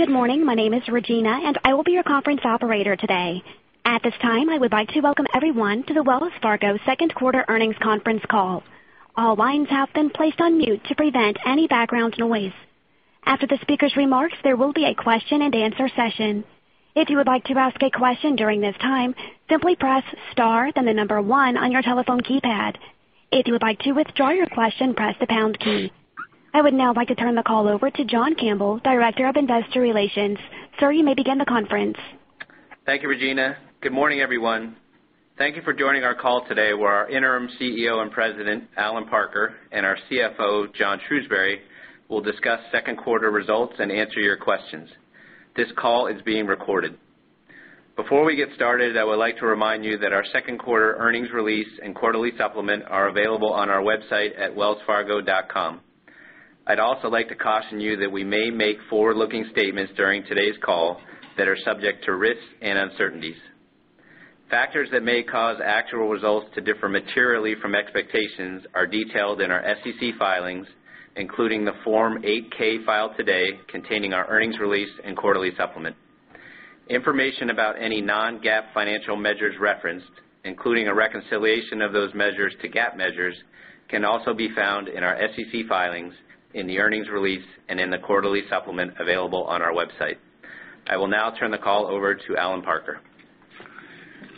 Good morning. My name is Regina, and I will be your conference operator today. At this time, I would like to welcome everyone to the Wells Fargo second quarter earnings conference call. All lines have been placed on mute to prevent any background noise. After the speaker's remarks, there will be a question and answer session. If you would like to ask a question during this time, simply press star, then the number one on your telephone keypad. If you would like to withdraw your question, press the pound key. I would now like to turn the call over to John Campbell, Director of Investor Relations. Sir, you may begin the conference. Thank you, Regina. Good morning, everyone. Thank you for joining our call today, where our Interim CEO and President, Allen Parker, and our CFO, John Shrewsberry, will discuss second quarter results and answer your questions. This call is being recorded. Before we get started, I would like to remind you that our second quarter earnings release and quarterly supplement are available on our website at wellsfargo.com. I'd also like to caution you that we may make forward-looking statements during today's call that are subject to risks and uncertainties. Factors that may cause actual results to differ materially from expectations are detailed in our SEC filings, including the Form 8-K filed today containing our earnings release and quarterly supplement. Information about any non-GAAP financial measures referenced, including a reconciliation of those measures to GAAP measures, can also be found in our SEC filings, in the earnings release, and in the quarterly supplement available on our website. I will now turn the call over to Allen Parker.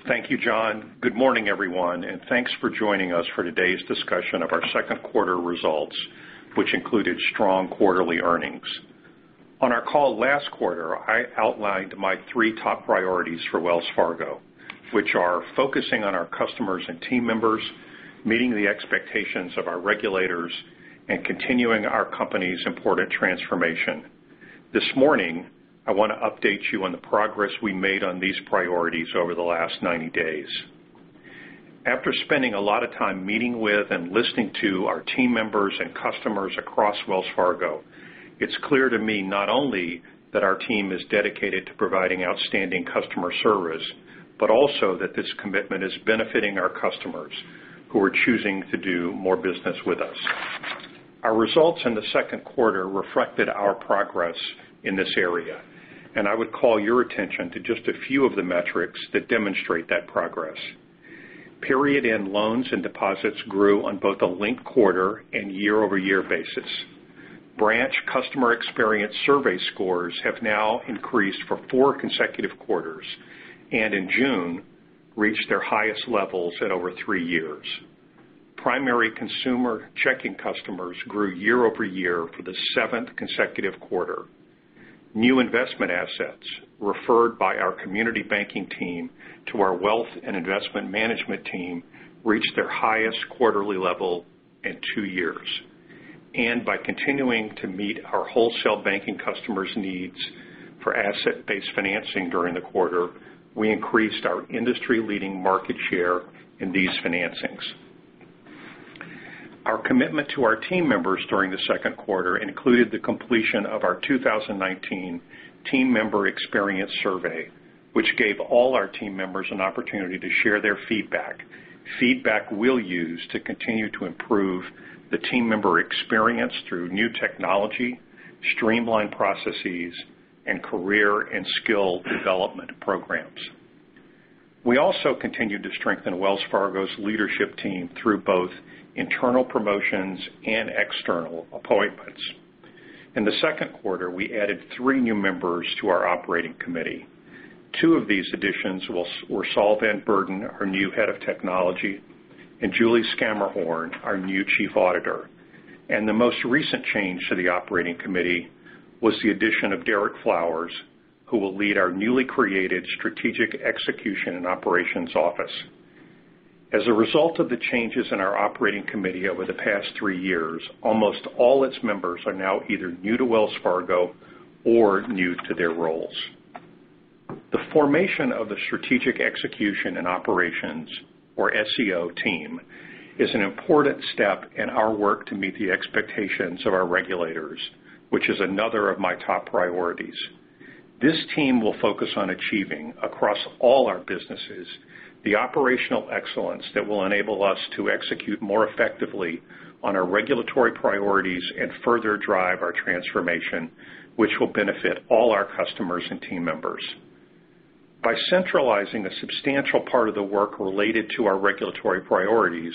Thank you, John. Good morning, everyone, and thanks for joining us for today's discussion of our second quarter results, which included strong quarterly earnings. On our call last quarter, I outlined my three top priorities for Wells Fargo, which are focusing on our customers and team members, meeting the expectations of our regulators, and continuing our company's important transformation. This morning, I want to update you on the progress we made on these priorities over the last 90 days. After spending a lot of time meeting with and listening to our team members and customers across Wells Fargo, it's clear to me not only that our team is dedicated to providing outstanding customer service, but also that this commitment is benefiting our customers who are choosing to do more business with us. Our results in the second quarter reflected our progress in this area. I would call your attention to just a few of the metrics that demonstrate that progress. Period-end loans and deposits grew on both a linked quarter and year-over-year basis. Branch customer experience survey scores have now increased for four consecutive quarters, and in June, reached their highest levels in over three years. Primary consumer checking customers grew year-over-year for the seventh consecutive quarter. New investment assets referred by our community banking team to our wealth and investment management team reached their highest quarterly level in two years. By continuing to meet our wholesale banking customers' needs for asset-based financing during the quarter, we increased our industry-leading market share in these financings. Our commitment to our team members during the second quarter included the completion of our 2019 team member experience survey, which gave all our team members an opportunity to share their feedback. Feedback we'll use to continue to improve the team member experience through new technology, streamlined processes, and career and skill development programs. We also continued to strengthen Wells Fargo's leadership team through both internal promotions and external appointments. In the second quarter, we added three new members to our operating committee. Two of these additions were Saul Van Beurden, our new Head of Technology, and Julie Scammahorn, our new Chief Auditor. The most recent change to the operating committee was the addition of Derek Flowers, who will lead our newly created Strategic Execution and Operations office. As a result of the changes in our operating committee over the past three years, almost all its members are now either new to Wells Fargo or new to their roles. The formation of the Strategic Execution and Operations, or SEO team, is an important step in our work to meet the expectations of our regulators, which is another of my top priorities. This team will focus on achieving, across all our businesses, the operational excellence that will enable us to execute more effectively on our regulatory priorities and further drive our transformation, which will benefit all our customers and team members. By centralizing a substantial part of the work related to our regulatory priorities,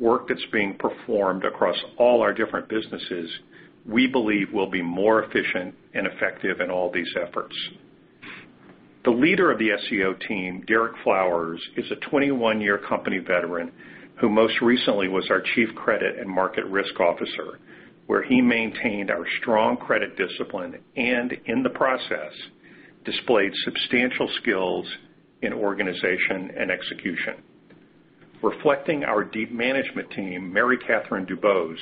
work that's being performed across all our different businesses, we believe we'll be more efficient and effective in all these efforts. The leader of the SEO team, Derek Flowers, is a 21-year company veteran who most recently was our Chief Credit and Market Risk Officer, where he maintained our strong credit discipline and, in the process, displayed substantial skills in organization and execution. Reflecting our deep management team, Mary Katherine DuBose,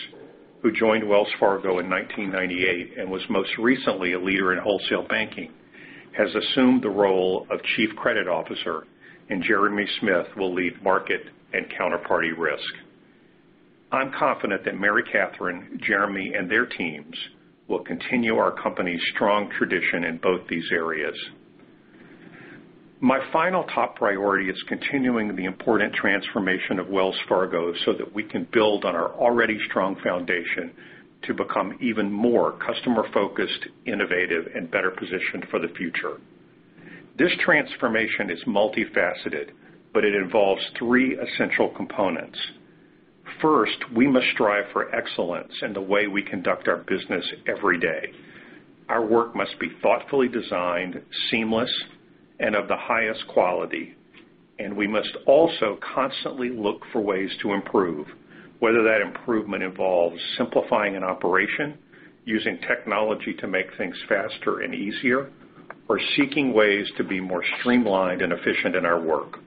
who joined Wells Fargo in 1998 and was most recently a leader in wholesale banking, has assumed the role of Chief Credit Officer, and Jeremy Smith will lead market and counterparty risk. I'm confident that Mary Catherine, Jeremy, and their teams will continue our company's strong tradition in both these areas. My final top priority is continuing the important transformation of Wells Fargo so that we can build on our already strong foundation to become even more customer-focused, innovative, and better positioned for the future. This transformation is multifaceted, but it involves three essential components. First, we must strive for excellence in the way we conduct our business every day. Our work must be thoughtfully designed, seamless, and of the highest quality, and we must also constantly look for ways to improve, whether that improvement involves simplifying an operation, using technology to make things faster and easier, or seeking ways to be more streamlined and efficient in our work.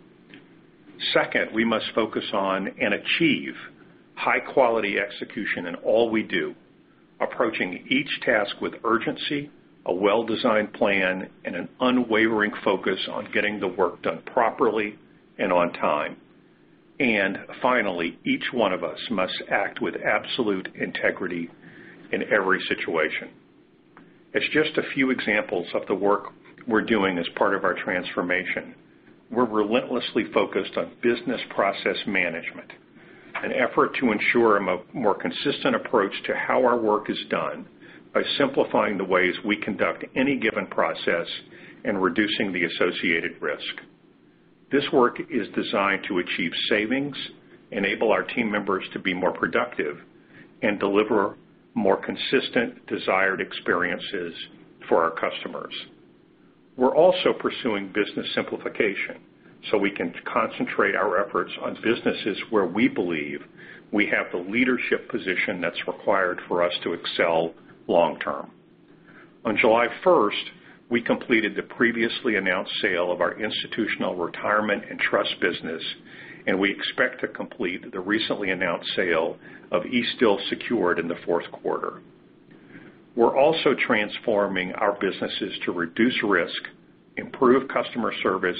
Second, we must focus on and achieve high-quality execution in all we do, approaching each task with urgency, a well-designed plan, and an unwavering focus on getting the work done properly and on time. Finally, each one of us must act with absolute integrity in every situation. As just a few examples of the work we're doing as part of our transformation, we're relentlessly focused on business process management, an effort to ensure a more consistent approach to how our work is done by simplifying the ways we conduct any given process and reducing the associated risk. This work is designed to achieve savings, enable our team members to be more productive, and deliver more consistent, desired experiences for our customers. We're also pursuing business simplification so we can concentrate our efforts on businesses where we believe we have the leadership position that's required for us to excel long term. On July 1st, we completed the previously announced sale of our institutional retirement and trust business, and we expect to complete the recently announced sale of Eastdil Secured in the fourth quarter. We're also transforming our businesses to reduce risk, improve customer service,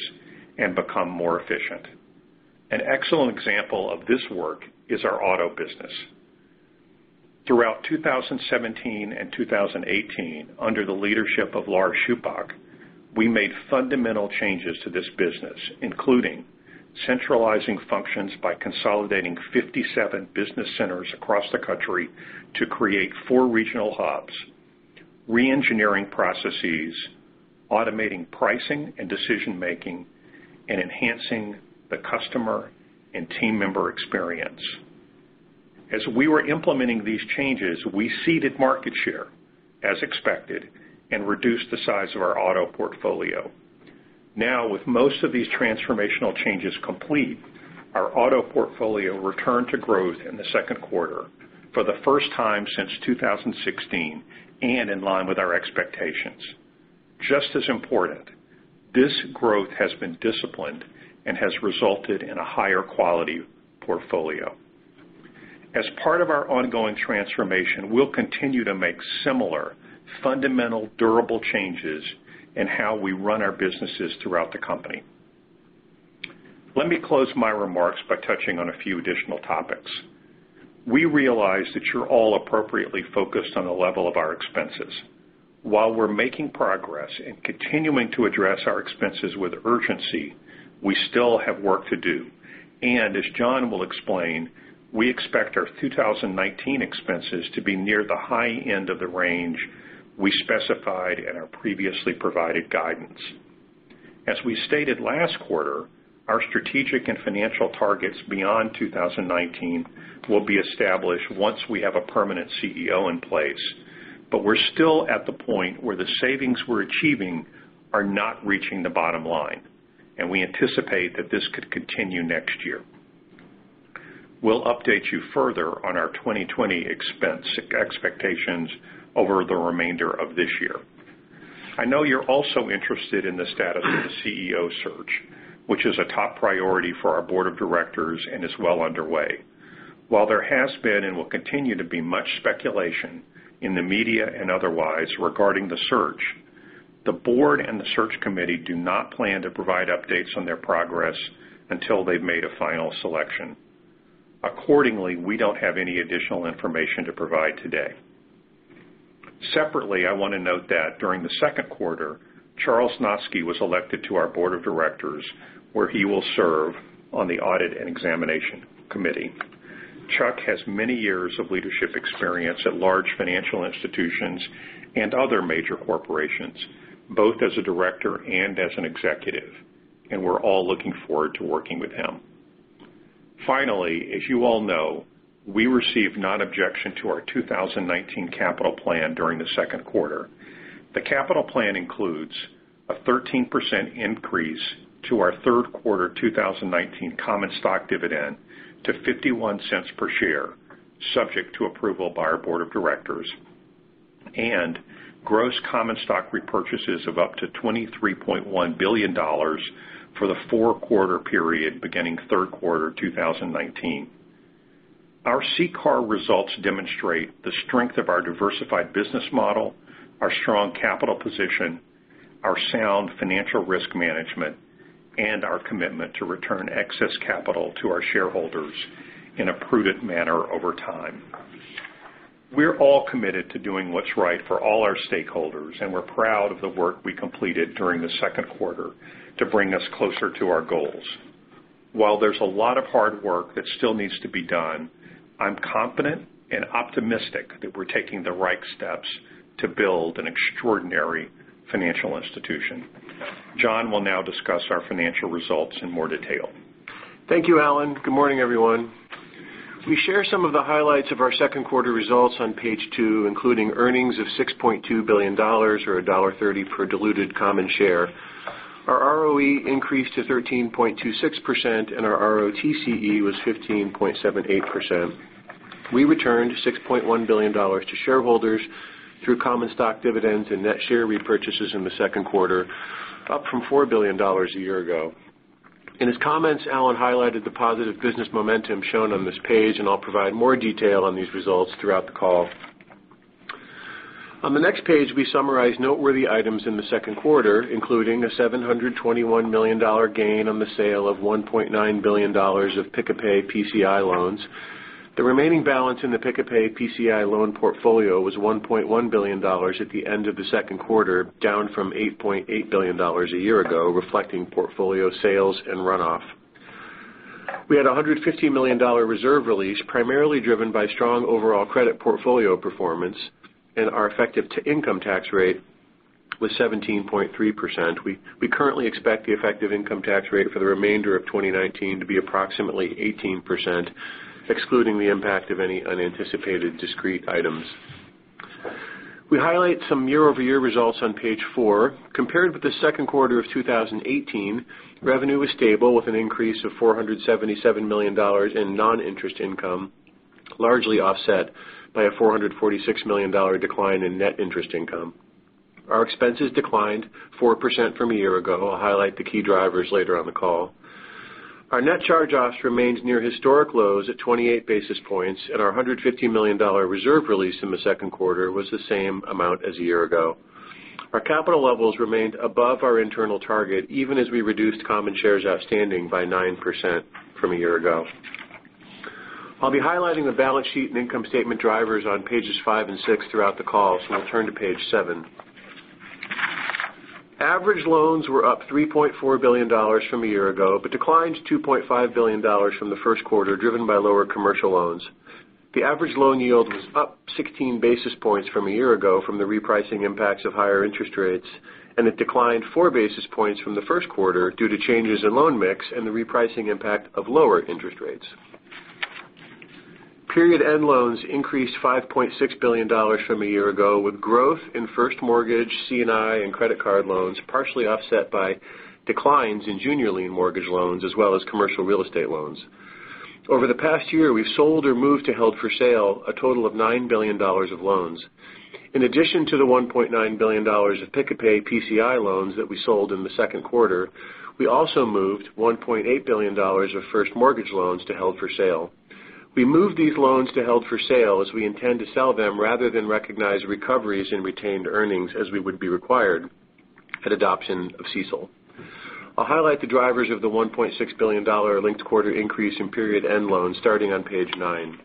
and become more efficient. An excellent example of this work is our auto business. Throughout 2017 and 2018, under the leadership of Laura Schupbach, we made fundamental changes to this business, including centralizing functions by consolidating 57 business centers across the country to create four regional hubs, re-engineering processes, automating pricing and decision-making, and enhancing the customer and team member experience. As we were implementing these changes, we ceded market share, as expected, and reduced the size of our auto portfolio. Now, with most of these transformational changes complete, our auto portfolio returned to growth in the second quarter for the first time since 2016, and in line with our expectations. Just as important, this growth has been disciplined and has resulted in a higher quality portfolio. As part of our ongoing transformation, we'll continue to make similar fundamental, durable changes in how we run our businesses throughout the company. Let me close my remarks by touching on a few additional topics. We realize that you're all appropriately focused on the level of our expenses. While we're making progress in continuing to address our expenses with urgency, we still have work to do. As John will explain, we expect our 2019 expenses to be near the high end of the range we specified in our previously provided guidance. As we stated last quarter, our strategic and financial targets beyond 2019 will be established once we have a permanent CEO in place. We're still at the point where the savings we're achieving are not reaching the bottom line, and we anticipate that this could continue next year. We'll update you further on our 2020 expense expectations over the remainder of this year. I know you're also interested in the status of the CEO search, which is a top priority for our Board of Directors and is well underway. While there has been and will continue to be much speculation in the media and otherwise regarding the search, the Board and the search committee do not plan to provide updates on their progress until they've made a final selection. Accordingly, we don't have any additional information to provide today. Separately, I want to note that during the second quarter, Charles Noski was elected to our Board of Directors, where he will serve on the Audit and Examination Committee. Chuck has many years of leadership experience at large financial institutions and other major corporations, both as a director and as an executive. We're all looking forward to working with him. Finally, as you all know, we received non-objection to our 2019 capital plan during the second quarter. The capital plan includes a 13% increase to our third-quarter 2019 common stock dividend to $0.51 per share, subject to approval by our Board of Directors, and gross common stock repurchases of up to $23.1 billion for the four-quarter period beginning third quarter 2019. Our CCAR results demonstrate the strength of our diversified business model, our strong capital position, our sound financial risk management, our commitment to return excess capital to our shareholders in a prudent manner over time. We're all committed to doing what's right for all our stakeholders. We're proud of the work we completed during the second quarter to bring us closer to our goals. While there's a lot of hard work that still needs to be done, I'm confident and optimistic that we're taking the right steps to build an extraordinary financial institution. John will now discuss our financial results in more detail. Thank you, Allen. Good morning, everyone. We share some of the highlights of our second quarter results on page two, including earnings of $6.2 billion, or $1.30 per diluted common share. Our ROE increased to 13.26%, and our ROTCE was 15.78%. We returned $6.1 billion to shareholders through common stock dividends and net share repurchases in the second quarter, up from $4 billion a year ago. In his comments, Allen highlighted the positive business momentum shown on this page. I'll provide more detail on these results throughout the call. On the next page, we summarize noteworthy items in the second quarter, including a $721 million gain on the sale of $1.9 billion of Pick-a-Pay PCI loans. The remaining balance in the Pick-a-Pay PCI loan portfolio was $1.1 billion at the end of the second quarter, down from $8.8 billion a year ago, reflecting portfolio sales and runoff. We had $150 million reserve release, primarily driven by strong overall credit portfolio performance. Our effective income tax rate was 17.3%. We currently expect the effective income tax rate for the remainder of 2019 to be approximately 18%, excluding the impact of any unanticipated discrete items. We highlight some year-over-year results on page four. Compared with the second quarter of 2018, revenue was stable with an increase of $477 million in non-interest income, largely offset by a $446 million decline in net interest income. Our expenses declined 4% from a year ago. I'll highlight the key drivers later on the call. Our net charge-offs remains near historic lows at 28 basis points, and our $150 million reserve release in the second quarter was the same amount as a year ago. Our capital levels remained above our internal target, even as we reduced common shares outstanding by 9% from a year ago. I'll be highlighting the balance sheet and income statement drivers on pages five and six throughout the call. I'll turn to page seven. Average loans were up $3.4 billion from a year ago, but declined $2.5 billion from the first quarter, driven by lower commercial loans. The average loan yield was up 16 basis points from a year ago from the repricing impacts of higher interest rates. It declined four basis points from the first quarter due to changes in loan mix and the repricing impact of lower interest rates. Period-end loans increased $5.6 billion from a year ago, with growth in first mortgage, C&I, and credit card loans partially offset by declines in junior lien mortgage loans as well as commercial real estate loans. Over the past year, we've sold or moved to held for sale a total of $9 billion of loans. In addition to the $1.9 billion of Pick-a-Pay PCI loans that we sold in the second quarter, we also moved $1.8 billion of first mortgage loans to held for sale. We moved these loans to held for sale as we intend to sell them rather than recognize recoveries and retained earnings as we would be required at adoption of CECL. I'll highlight the drivers of the $1.6 billion linked-quarter increase in period-end loans starting on page nine.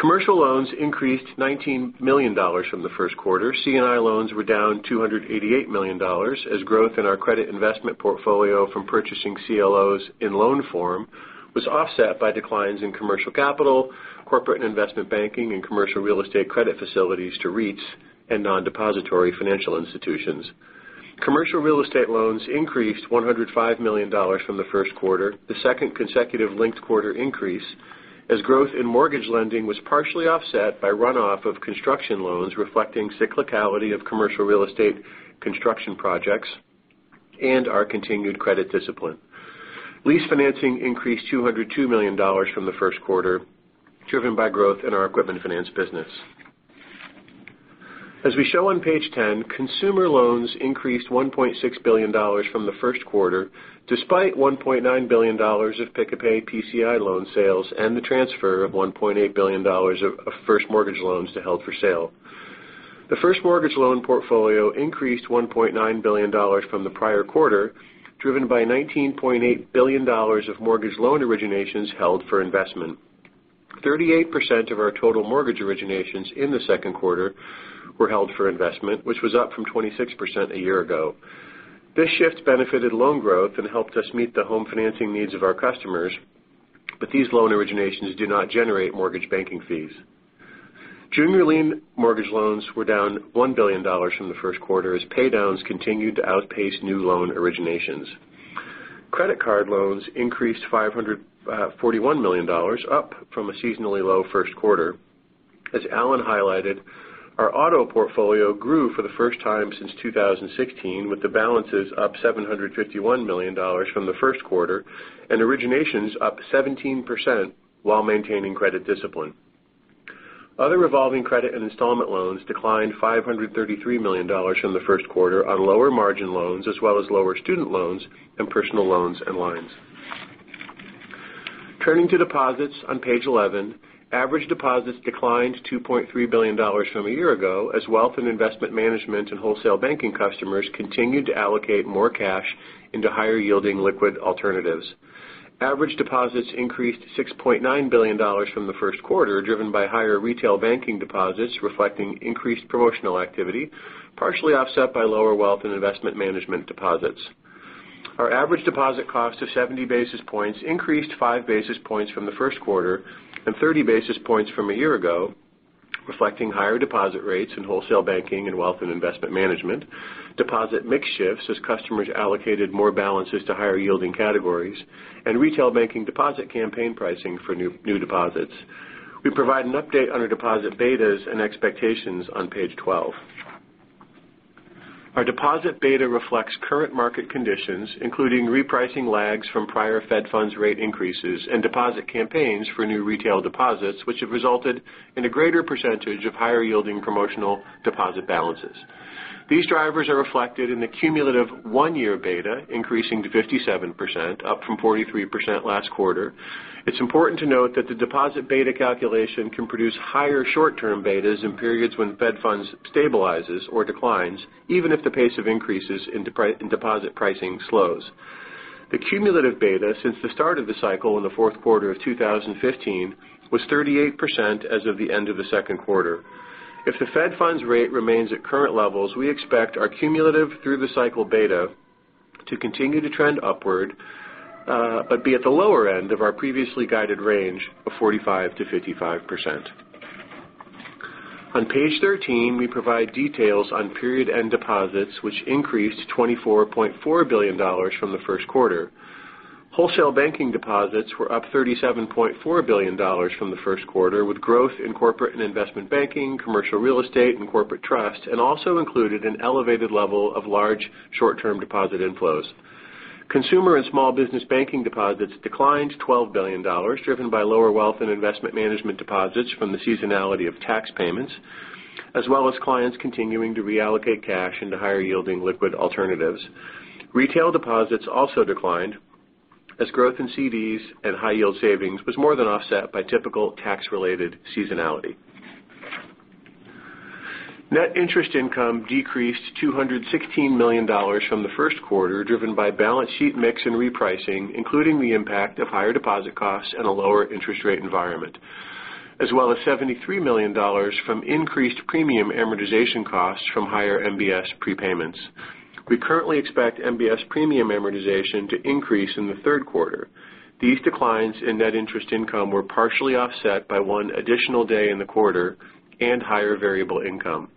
Commercial loans increased $19 million from the first quarter. C&I loans were down $288 million as growth in our credit investment portfolio from purchasing CLOs in loan form was offset by declines in commercial capital, corporate and investment banking, and commercial real estate credit facilities to REITs and non-depository financial institutions. Commercial real estate loans increased $105 million from the first quarter, the second consecutive linked-quarter increase, as growth in mortgage lending was partially offset by runoff of construction loans reflecting cyclicality of commercial real estate construction projects and our continued credit discipline. Lease financing increased $202 million from the first quarter, driven by growth in our equipment finance business. As we show on page 10, consumer loans increased $1.6 billion from the first quarter, despite $1.9 billion of Pick-a-Pay PCI loan sales and the transfer of $1.8 billion of first mortgage loans to held for sale. The first mortgage loan portfolio increased $1.9 billion from the prior quarter, driven by $19.8 billion of mortgage loan originations held for investment. 38% of our total mortgage originations in the second quarter were held for investment, which was up from 26% a year ago. This shift benefited loan growth and helped us meet the home financing needs of our customers, but these loan originations do not generate mortgage banking fees. Junior lien mortgage loans were down $1 billion from the first quarter as paydowns continued to outpace new loan originations. Credit card loans increased $541 million, up from a seasonally low first quarter. As Allen highlighted, our auto portfolio grew for the first time since 2016, with the balances up $751 million from the first quarter and originations up 17% while maintaining credit discipline. Other revolving credit and installment loans declined $533 million from the first quarter on lower margin loans, as well as lower student loans and personal loans and lines. Turning to deposits on page 11. Average deposits declined $2.3 billion from a year ago as Wealth and Investment Management and Wholesale Banking customers continued to allocate more cash into higher-yielding liquid alternatives. Average deposits increased to $6.9 billion from the first quarter, driven by higher Retail Banking deposits reflecting increased promotional activity, partially offset by lower Wealth and Investment Management deposits. Our average deposit cost of 70 basis points increased five basis points from the first quarter and 30 basis points from a year ago, reflecting higher deposit rates in Wholesale Banking and Wealth and Investment Management, deposit mix shifts as customers allocated more balances to higher-yielding categories, and Retail Banking deposit campaign pricing for new deposits. We provide an update on our deposit betas and expectations on page 12. Our deposit beta reflects current market conditions, including repricing lags from prior Fed funds rate increases and deposit campaigns for new retail deposits, which have resulted in a greater percentage of higher-yielding promotional deposit balances. These drivers are reflected in the cumulative one-year beta increasing to 57%, up from 43% last quarter. It's important to note that the deposit beta calculation can produce higher short-term betas in periods when Fed funds stabilizes or declines, even if the pace of increases in deposit pricing slows. The cumulative beta since the start of the cycle in the fourth quarter of 2015 was 38% as of the end of the second quarter. If the Fed funds rate remains at current levels, we expect our cumulative through the cycle beta to continue to trend upward, but be at the lower end of our previously guided range of 45%-55%. On page 13, we provide details on period end deposits, which increased to $24.4 billion from the first quarter. Wholesale Banking deposits were up $37.4 billion from the first quarter, with growth in Corporate and Investment Banking, Commercial Real Estate, and Corporate Trust, and also included an elevated level of large short-term deposit inflows. Consumer and Small Business Banking deposits declined $12 billion, driven by lower Wealth and Investment Management deposits from the seasonality of tax payments, as well as clients continuing to reallocate cash into higher-yielding liquid alternatives. Retail deposits also declined as growth in CDs and high-yield savings was more than offset by typical tax-related seasonality. Net Interest Income decreased $216 million from the first quarter, driven by balance sheet mix and repricing, including the impact of higher deposit costs and a lower interest rate environment, as well as $73 million from increased premium amortization costs from higher MBS prepayments. We currently expect MBS premium amortization to increase in the third quarter. These declines in Net Interest Income were partially offset by one additional day in the quarter and higher variable income.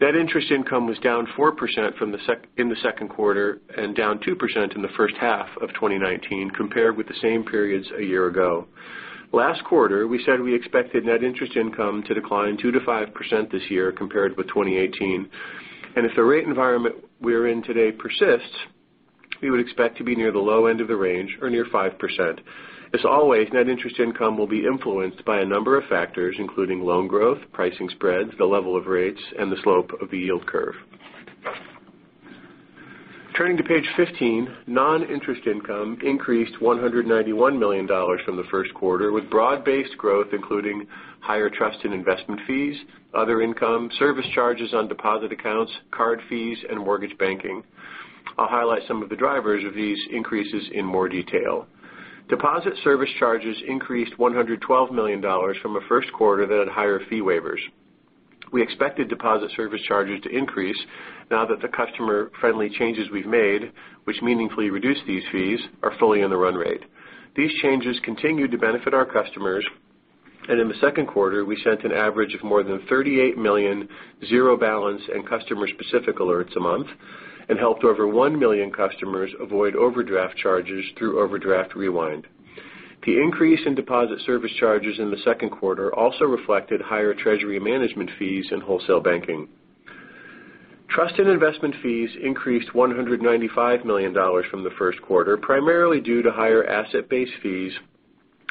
Net interest income was down 4% in the second quarter and down 2% in the first half of 2019 compared with the same periods a year ago. Last quarter, we said we expected net interest income to decline 2% to 5% this year compared with 2018. If the rate environment we're in today persists, we would expect to be near the low end of the range or near 5%. As always, net interest income will be influenced by a number of factors, including loan growth, pricing spreads, the level of rates, and the slope of the yield curve. Turning to page 15. Non-interest income increased $191 million from the first quarter, with broad-based growth including higher trust and investment fees, other income, service charges on deposit accounts, card fees, and mortgage banking. I'll highlight some of the drivers of these increases in more detail. Deposit service charges increased $112 million from a first quarter that had higher fee waivers. We expected deposit service charges to increase now that the customer-friendly changes we've made, which meaningfully reduced these fees, are fully in the run rate. These changes continue to benefit our customers. In the second quarter, we sent an average of more than 38 million zero balance and customer-specific alerts a month and helped over 1 million customers avoid overdraft charges through Overdraft Rewind. The increase in deposit service charges in the second quarter also reflected higher treasury management fees in wholesale banking. Trust and investment fees increased $195 million from the first quarter, primarily due to higher asset-based fees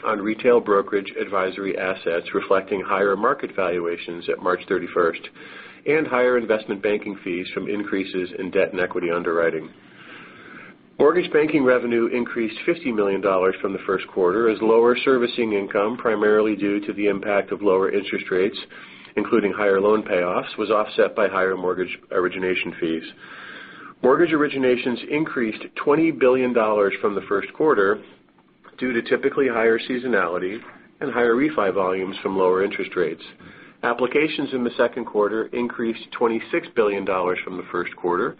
on retail brokerage advisory assets reflecting higher market valuations at March 31st and higher investment banking fees from increases in debt and equity underwriting. Mortgage banking revenue increased $50 million from the first quarter as lower servicing income, primarily due to the impact of lower interest rates, including higher loan payoffs, was offset by higher mortgage origination fees. Mortgage originations increased $20 billion from the first quarter due to typically higher seasonality and higher refi volumes from lower interest rates. Applications in the second quarter increased $26 billion from the first quarter.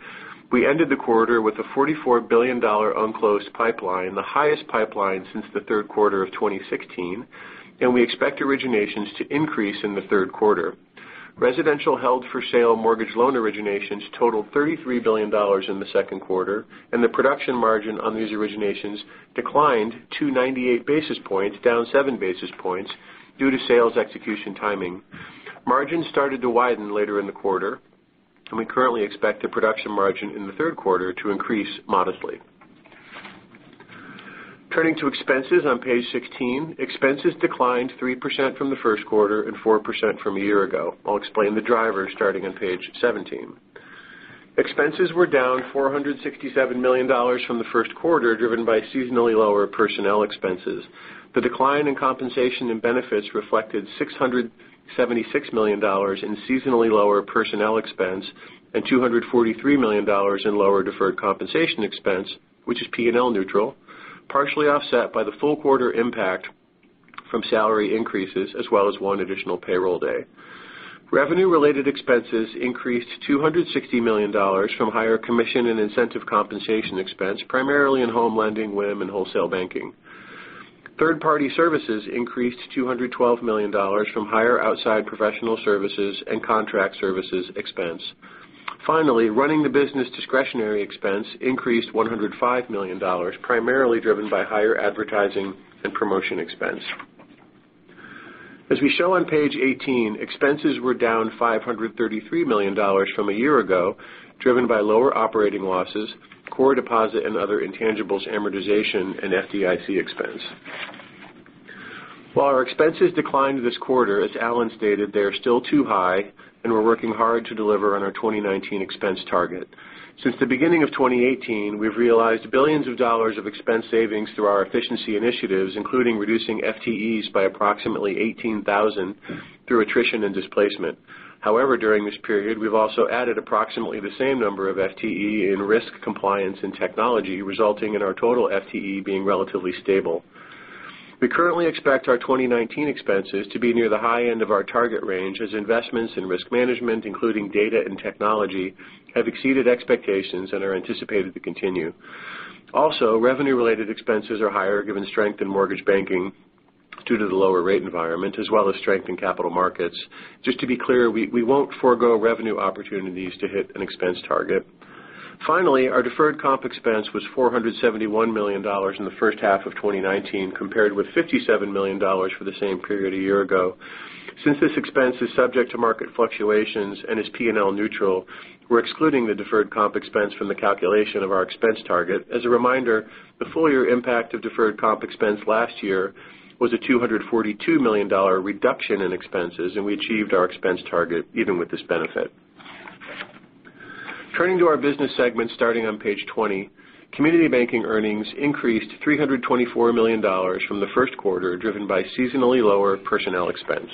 We ended the quarter with a $44 billion unclosed pipeline, the highest pipeline since the third quarter of 2016. We expect originations to increase in the third quarter. Residential held for sale mortgage loan originations totaled $33 billion in the second quarter, and the production margin on these originations declined 298 basis points, down seven basis points, due to sales execution timing. Margins started to widen later in the quarter. We currently expect the production margin in the third quarter to increase modestly. Turning to expenses on page 16. Expenses declined 3% from the first quarter and 4% from a year ago. I'll explain the drivers starting on page 17. Expenses were down $467 million from the first quarter, driven by seasonally lower personnel expenses. The decline in compensation and benefits reflected $676 million in seasonally lower personnel expense and $243 million in lower deferred compensation expense, which is P&L neutral, partially offset by the full quarter impact from salary increases, as well as one additional payroll day. Revenue-related expenses increased $260 million from higher commission and incentive compensation expense, primarily in home lending, WIM and wholesale banking. Third-party services increased $212 million from higher outside professional services and contract services expense. running the business discretionary expense increased $105 million, primarily driven by higher advertising and promotion expense. As we show on page 18, expenses were down $533 million from a year ago, driven by lower operating losses, core deposit and other intangibles amortization and FDIC expense. While our expenses declined this quarter, as Allen stated, they are still too high and we're working hard to deliver on our 2019 expense target. Since the beginning of 2018, we've realized billions of dollars of expense savings through our efficiency initiatives, including reducing FTEs by approximately 18,000 through attrition and displacement. During this period, we've also added approximately the same number of FTE in risk compliance and technology, resulting in our total FTE being relatively stable. We currently expect our 2019 expenses to be near the high end of our target range, as investments in risk management, including data and technology, have exceeded expectations and are anticipated to continue. Revenue-related expenses are higher given strength in mortgage banking due to the lower rate environment, as well as strength in capital markets. Just to be clear, we won't forgo revenue opportunities to hit an expense target. Our deferred comp expense was $471 million in the first half of 2019, compared with $57 million for the same period a year ago. Since this expense is subject to market fluctuations and is P&L neutral, we're excluding the deferred comp expense from the calculation of our expense target. As a reminder, the full-year impact of deferred comp expense last year was a $242 million reduction in expenses, and we achieved our expense target even with this benefit. Turning to our business segment, starting on page 20. Community banking earnings increased $324 million from the first quarter, driven by seasonally lower personnel expense.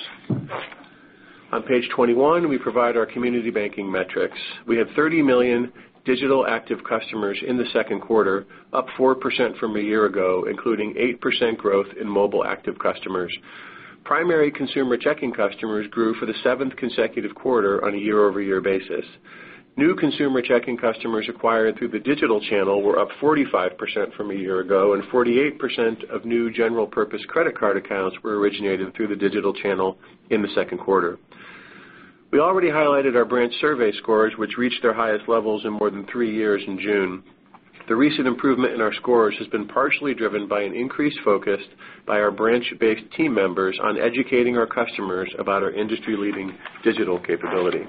On page 21, we provide our community banking metrics. We have 30 million digital active customers in the second quarter, up 4% from a year ago, including 8% growth in mobile active customers. Primary consumer checking customers grew for the seventh consecutive quarter on a year-over-year basis. New consumer checking customers acquired through the digital channel were up 45% from a year ago, and 48% of new general purpose credit card accounts were originated through the digital channel in the second quarter. We already highlighted our branch survey scores, which reached their highest levels in more than three years in June. The recent improvement in our scores has been partially driven by an increased focus by our branch-based team members on educating our customers about our industry-leading digital capability.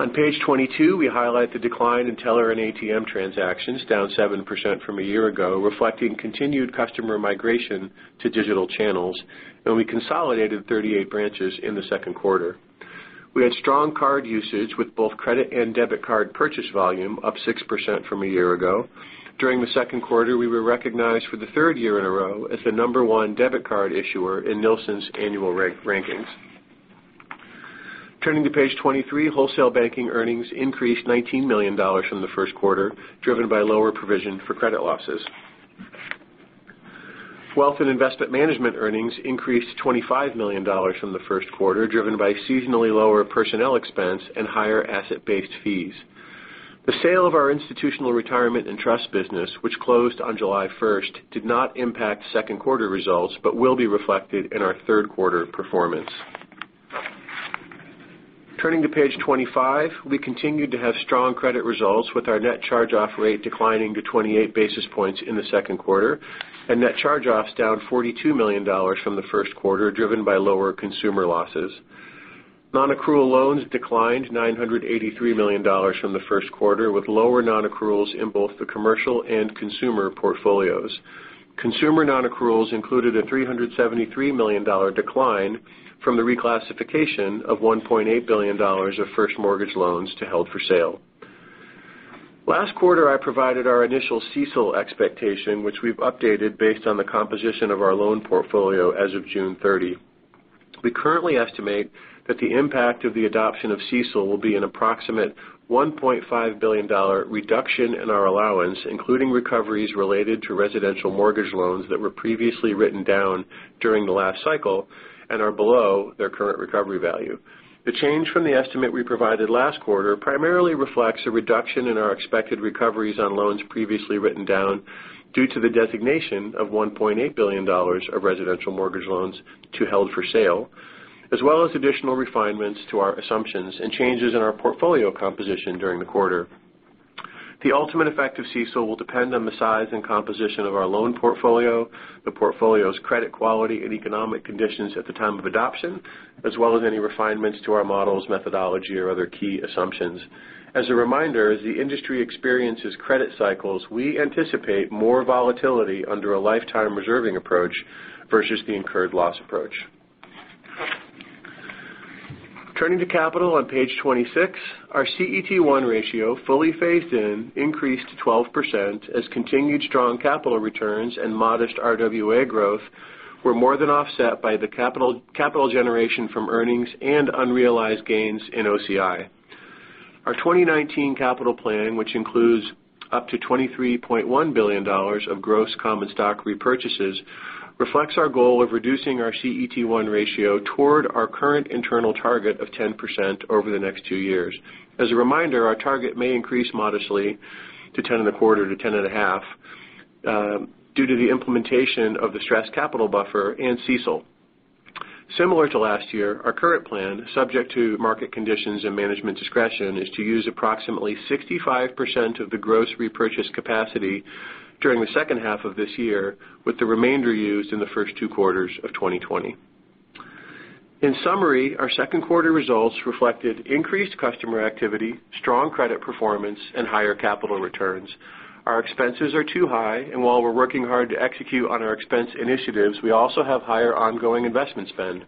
On page 22, we highlight the decline in teller and ATM transactions, down 7% from a year ago, reflecting continued customer migration to digital channels, and we consolidated 38 branches in the second quarter. We had strong card usage with both credit and debit card purchase volume up 6% from a year ago. During the second quarter, we were recognized for the third year in a row as the number one debit card issuer in Nilson's annual rankings. Turning to page 23, wholesale banking earnings increased $19 million from the first quarter, driven by lower provision for credit losses. Wealth and investment management earnings increased $25 million from the first quarter, driven by seasonally lower personnel expense and higher asset-based fees. The sale of our institutional retirement and trust business, which closed on July 1st, did not impact second quarter results, but will be reflected in our third quarter performance. Turning to page 25, we continued to have strong credit results with our net charge-off rate declining to 28 basis points in the second quarter, and net charge-offs down $42 million from the first quarter, driven by lower consumer losses. Nonaccrual loans declined $983 million from the first quarter, with lower nonaccruals in both the commercial and consumer portfolios. Consumer nonaccruals included a $373 million decline from the reclassification of $1.8 billion of first mortgage loans to held for sale. Last quarter, I provided our initial CECL expectation, which we've updated based on the composition of our loan portfolio as of June 30. We currently estimate that the impact of the adoption of CECL will be an approximate $1.5 billion reduction in our allowance, including recoveries related to residential mortgage loans that were previously written down during the last cycle and are below their current recovery value. The change from the estimate we provided last quarter primarily reflects a reduction in our expected recoveries on loans previously written down due to the designation of $1.8 billion of residential mortgage loans to held for sale, as well as additional refinements to our assumptions and changes in our portfolio composition during the quarter. The ultimate effect of CECL will depend on the size and composition of our loan portfolio, the portfolio's credit quality and economic conditions at the time of adoption, as well as any refinements to our models, methodology, or other key assumptions. As a reminder, as the industry experiences credit cycles, we anticipate more volatility under a lifetime reserving approach versus the incurred loss approach. Turning to capital on page 26, our CET1 ratio, fully phased in, increased to 12% as continued strong capital returns and modest RWA growth were more than offset by the capital generation from earnings and unrealized gains in OCI. Our 2019 capital plan, which includes up to $23.1 billion of gross common stock repurchases, reflects our goal of reducing our CET1 ratio toward our current internal target of 10% over the next two years. As a reminder, our target may increase modestly to 10.25 or to 10.5 due to the implementation of the stress capital buffer and CECL. Similar to last year, our current plan, subject to market conditions and management discretion, is to use approximately 65% of the gross repurchase capacity during the second half of this year, with the remainder used in the first two quarters of 2020. In summary, our second quarter results reflected increased customer activity, strong credit performance, and higher capital returns. Our expenses are too high, and while we're working hard to execute on our expense initiatives, we also have higher ongoing investment spend.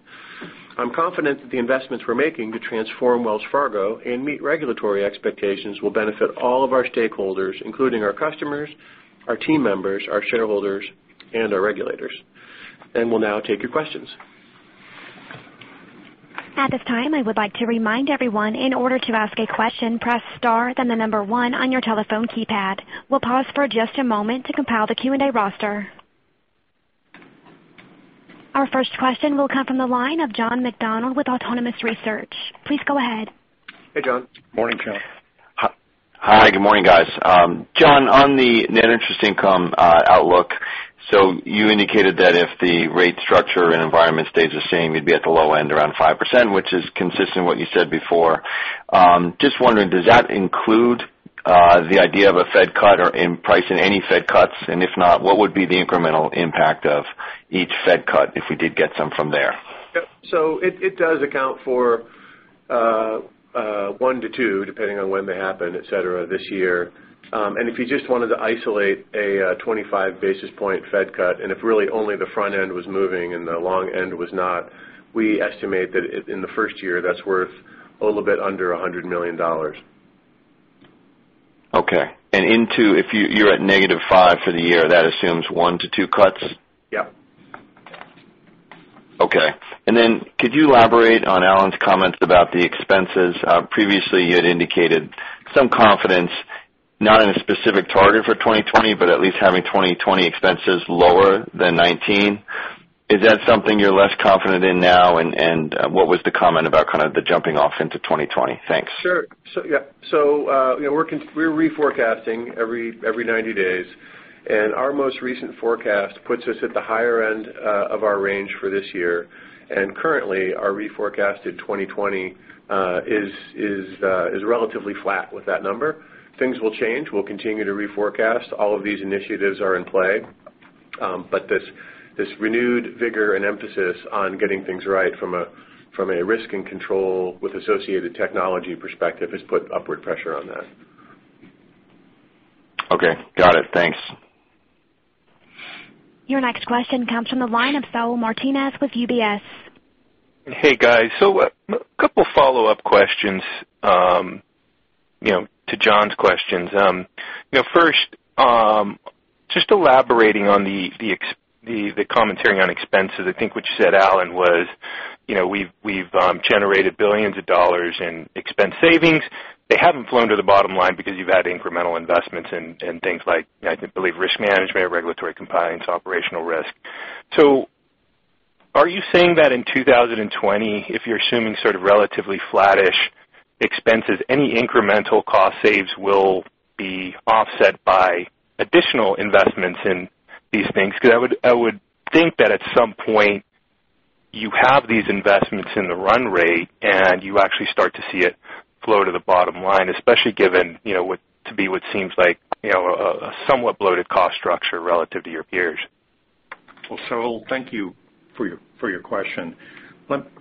I'm confident that the investments we're making to transform Wells Fargo and meet regulatory expectations will benefit all of our stakeholders, including our customers, our team members, our shareholders, and our regulators. We'll now take your questions. At this time, I would like to remind everyone, in order to ask a question, press star then the number one on your telephone keypad. We'll pause for just a moment to compile the Q&A roster. Our first question will come from the line of John McDonald with Autonomous Research. Please go ahead. Hey, John. Morning, John. Hi. Good morning, guys. John, on the net interest income outlook, you indicated that if the rate structure and environment stays the same, you'd be at the low end, around 5%, which is consistent with what you said before. Just wondering, does that include the idea of a Fed cut or in pricing any Fed cuts? If not, what would be the incremental impact of each Fed cut if we did get some from there? It does account for one to two, depending on when they happen, et cetera, this year. If you just wanted to isolate a 25 basis point Fed cut, if really only the front end was moving and the long end was not, we estimate that in the first year, that's worth a little bit under $100 million. Okay. If you're at negative five for the year, that assumes one to two cuts? Yep. Okay. Could you elaborate on Allen's comments about the expenses? Previously, you had indicated some confidence, not in a specific target for 2020, but at least having 2020 expenses lower than 2019. Is that something you're less confident in now? What was the comment about the jumping off into 2020? Thanks. Sure. We're reforecasting every 90 days, our most recent forecast puts us at the higher end of our range for this year. Currently, our reforecasted 2020 is relatively flat with that number. Things will change. We'll continue to reforecast. All of these initiatives are in play. This renewed vigor and emphasis on getting things right from a risk and control with associated technology perspective has put upward pressure on that. Okay. Got it. Thanks. Your next question comes from the line of Saul Martinez with UBS. Hey, guys. A couple follow-up questions to John's questions. First, just elaborating on the commentary on expenses. I think what you said, Allen, was we've generated billions of dollars in expense savings. They haven't flown to the bottom line because you've had incremental investments in things like, I believe, risk management, regulatory compliance, operational risk. Are you saying that in 2020, if you're assuming sort of relatively flattish expenses, any incremental cost saves will be offset by additional investments in these things? Because I would think that at some point you have these investments in the run rate, and you actually start to see it flow to the bottom line, especially given to be what seems like a somewhat bloated cost structure relative to your peers. Well, Saul, thank you for your question.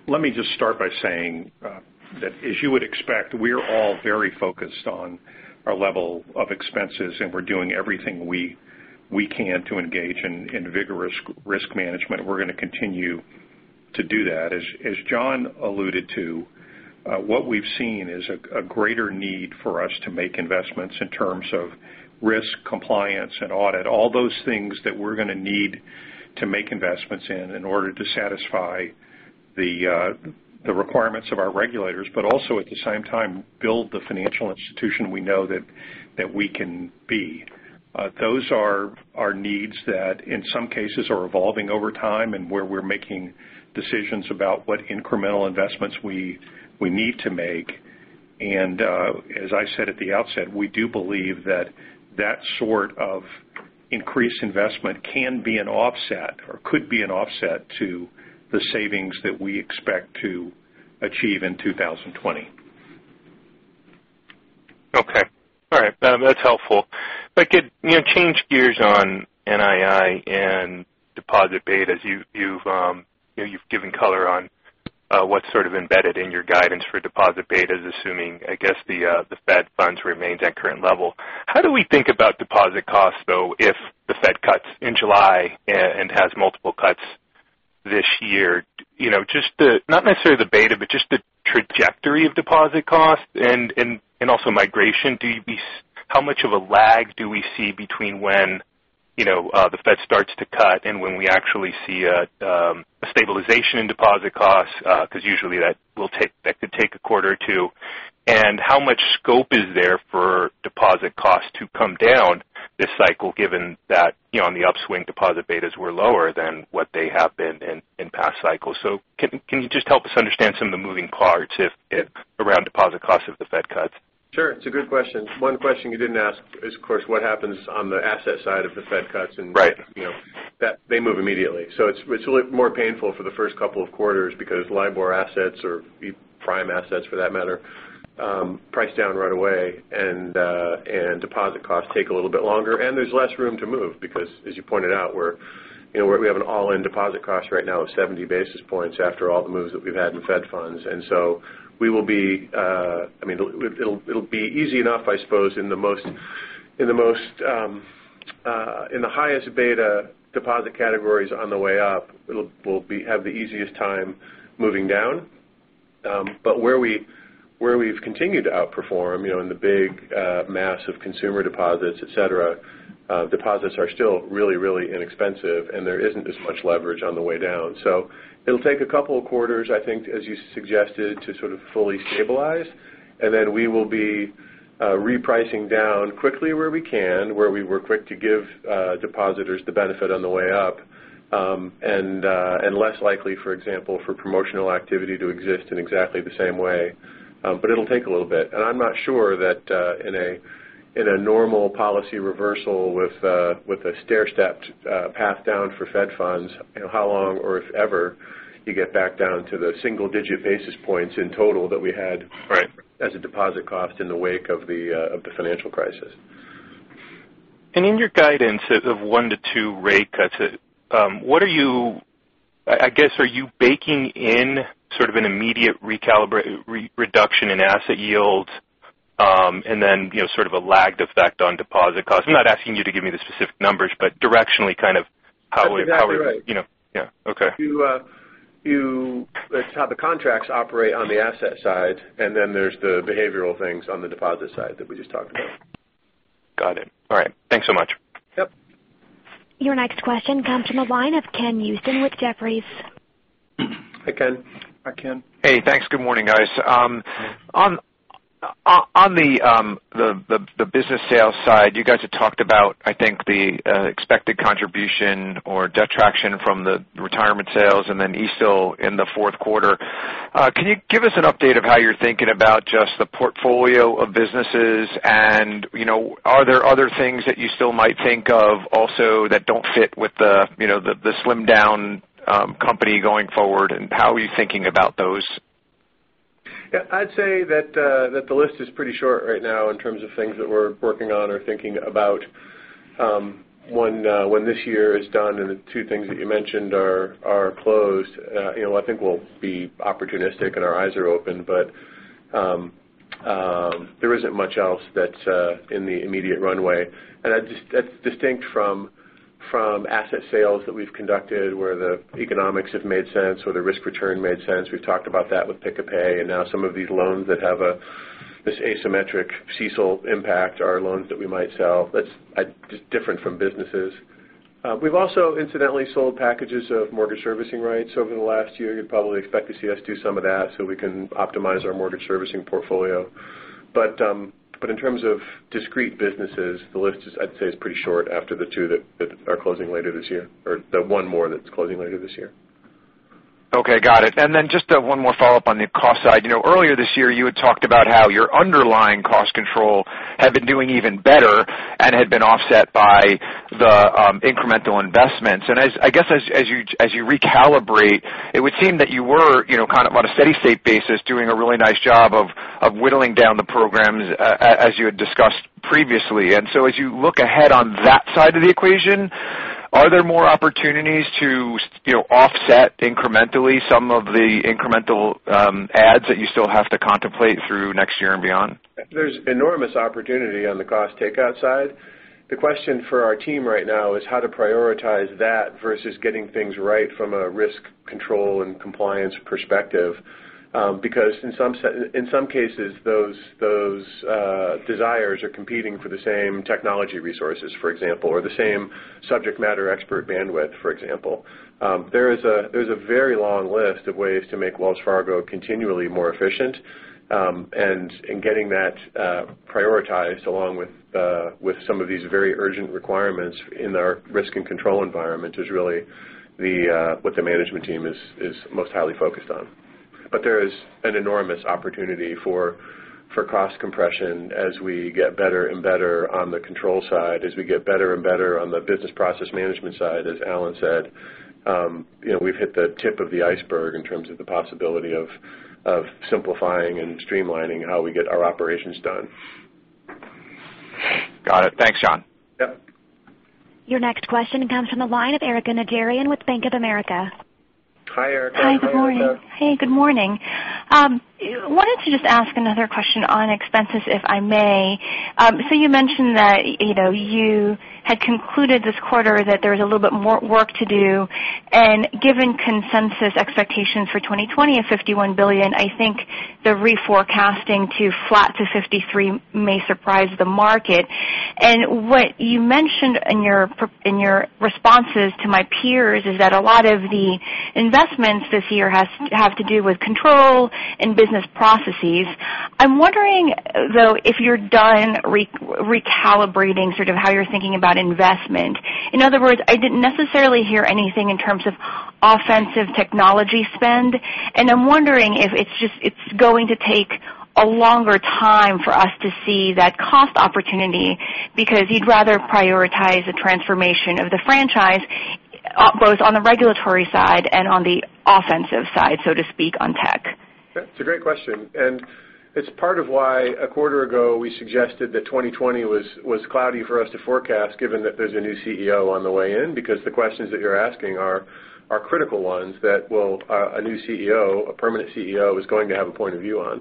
Let me just start by saying that as you would expect, we're all very focused on our level of expenses, we're doing everything we can to engage in vigorous risk management. We're going to continue to do that. As John alluded to, what we've seen is a greater need for us to make investments in terms of risk, compliance, and audit. All those things that we're going to need to make investments in order to satisfy the requirements of our regulators, but also at the same time, build the financial institution we know that we can be. Those are needs that in some cases are evolving over time and where we're making decisions about what incremental investments we need to make. As I said at the outset, we do believe that that sort of increased investment can be an offset or could be an offset to the savings that we expect to achieve in 2020. Okay. All right. That's helpful. If I could change gears on NII and deposit betas. You've given color on what's sort of embedded in your guidance for deposit betas, assuming, I guess the Fed funds remains at current level. How do we think about deposit costs, though, if the Fed cuts in July and has multiple cuts this year, not necessarily the beta, but just the trajectory of deposit costs and also migration. How much of a lag do we see between when the Fed starts to cut and when we actually see a stabilization in deposit costs? Because usually that could take a quarter or two. How much scope is there for deposit costs to come down this cycle, given that on the upswing, deposit betas were lower than what they have been in past cycles. Can you just help us understand some of the moving parts around deposit costs if the Fed cuts? Sure. It's a good question. One question you didn't ask is, of course, what happens on the asset side if the Fed cuts. Right they move immediately. It's a little more painful for the first couple of quarters because LIBOR assets or prime assets, for that matter, price down right away and deposit costs take a little bit longer, and there's less room to move because, as you pointed out, we have an all-in deposit cost right now of 70 basis points after all the moves that we've had in Fed funds. It'll be easy enough, I suppose, in the highest beta deposit categories on the way up, we'll have the easiest time moving down. Where we've continued to outperform in the big mass of consumer deposits, et cetera, deposits are still really, really inexpensive, and there isn't as much leverage on the way down. It'll take a couple of quarters, I think, as you suggested, to sort of fully stabilize, and then we will be repricing down quickly where we can, where we were quick to give depositors the benefit on the way up. Less likely, for example, for promotional activity to exist in exactly the same way. It'll take a little bit. I'm not sure that in a normal policy reversal with a stairstepped path down for Fed funds, how long, or if ever, you get back down to the single-digit basis points in total that we had- Right as a deposit cost in the wake of the financial crisis. In your guidance of one to two rate cuts, I guess, are you baking in sort of an immediate reduction in asset yields, sort of a lagged effect on deposit costs? I'm not asking you to give me the specific numbers, but directionally kind of how would- That's exactly right. Yeah. Okay. That's how the contracts operate on the asset side, and then there's the behavioral things on the deposit side that we just talked about. Got it. All right. Thanks so much. Yep. Your next question comes from the line of Ken Usdin with Jefferies. Hi, Ken. Hi, Ken. Hey, thanks. Good morning, guys. On the business sales side, you guys have talked about, I think, the expected contribution or detraction from the retirement sales and then Eastdil Secured in the fourth quarter. Can you give us an update of how you're thinking about just the portfolio of businesses, and are there other things that you still might think of also that don't fit with the slimmed-down company going forward, and how are you thinking about those? I'd say that the list is pretty short right now in terms of things that we're working on or thinking about. When this year is done and the two things that you mentioned are closed, I think we'll be opportunistic and our eyes are open, but there isn't much else that's in the immediate runway. That's distinct from asset sales that we've conducted where the economics have made sense or the risk-return made sense. We've talked about that with Pick-a-Pay and now some of these loans that have this asymmetric CECL impact are loans that we might sell. That's just different from businesses. We've also incidentally sold packages of mortgage servicing rights over the last year. You'd probably expect to see us do some of that so we can optimize our mortgage servicing portfolio. In terms of discrete businesses, the list, I'd say, is pretty short after the two that are closing later this year, or the one more that's closing later this year. Okay. Got it. Just one more follow-up on the cost side. Earlier this year, you had talked about how your underlying cost control had been doing even better and had been offset by the incremental investments. I guess as you recalibrate, it would seem that you were, on a steady-state basis, doing a really nice job of whittling down the programs as you had discussed previously. As you look ahead on that side of the equation, are there more opportunities to offset incrementally some of the incremental adds that you still have to contemplate through next year and beyond? There's enormous opportunity on the cost takeout side. The question for our team right now is how to prioritize that versus getting things right from a risk control and compliance perspective. Because in some cases, those desires are competing for the same technology resources, for example, or the same subject matter expert bandwidth, for example. There's a very long list of ways to make Wells Fargo continually more efficient. Getting that prioritized along with some of these very urgent requirements in our risk and control environment is really what the management team is most highly focused on. There is an enormous opportunity for cost compression as we get better and better on the control side, as we get better and better on the business process management side. As Allen said, we've hit the tip of the iceberg in terms of the possibility of simplifying and streamlining how we get our operations done. Got it. Thanks, John. Yep. Your next question comes from the line of Erika Najarian with Bank of America. Hi, Erika. How are you? Hi, good morning. Hey, good morning. I wanted to just ask another question on expenses, if I may. You mentioned that you had concluded this quarter that there was a little bit more work to do, and given consensus expectations for 2020 of $51 billion, I think the reforecasting to flat to $53 billion may surprise the market. What you mentioned in your responses to my peers is that a lot of the investments this year have to do with control and business processes. I'm wondering, though, if you're done recalibrating how you're thinking about investment. In other words, I didn't necessarily hear anything in terms of offensive technology spend, and I'm wondering if it's going to take a longer time for us to see that cost opportunity because you'd rather prioritize the transformation of the franchise, both on the regulatory side and on the offensive side, so to speak, on tech. That's a great question, and it's part of why a quarter ago we suggested that 2020 was cloudy for us to forecast given that there's a new CEO on the way in, because the questions that you're asking are critical ones that a new CEO, a permanent CEO, is going to have a point of view on.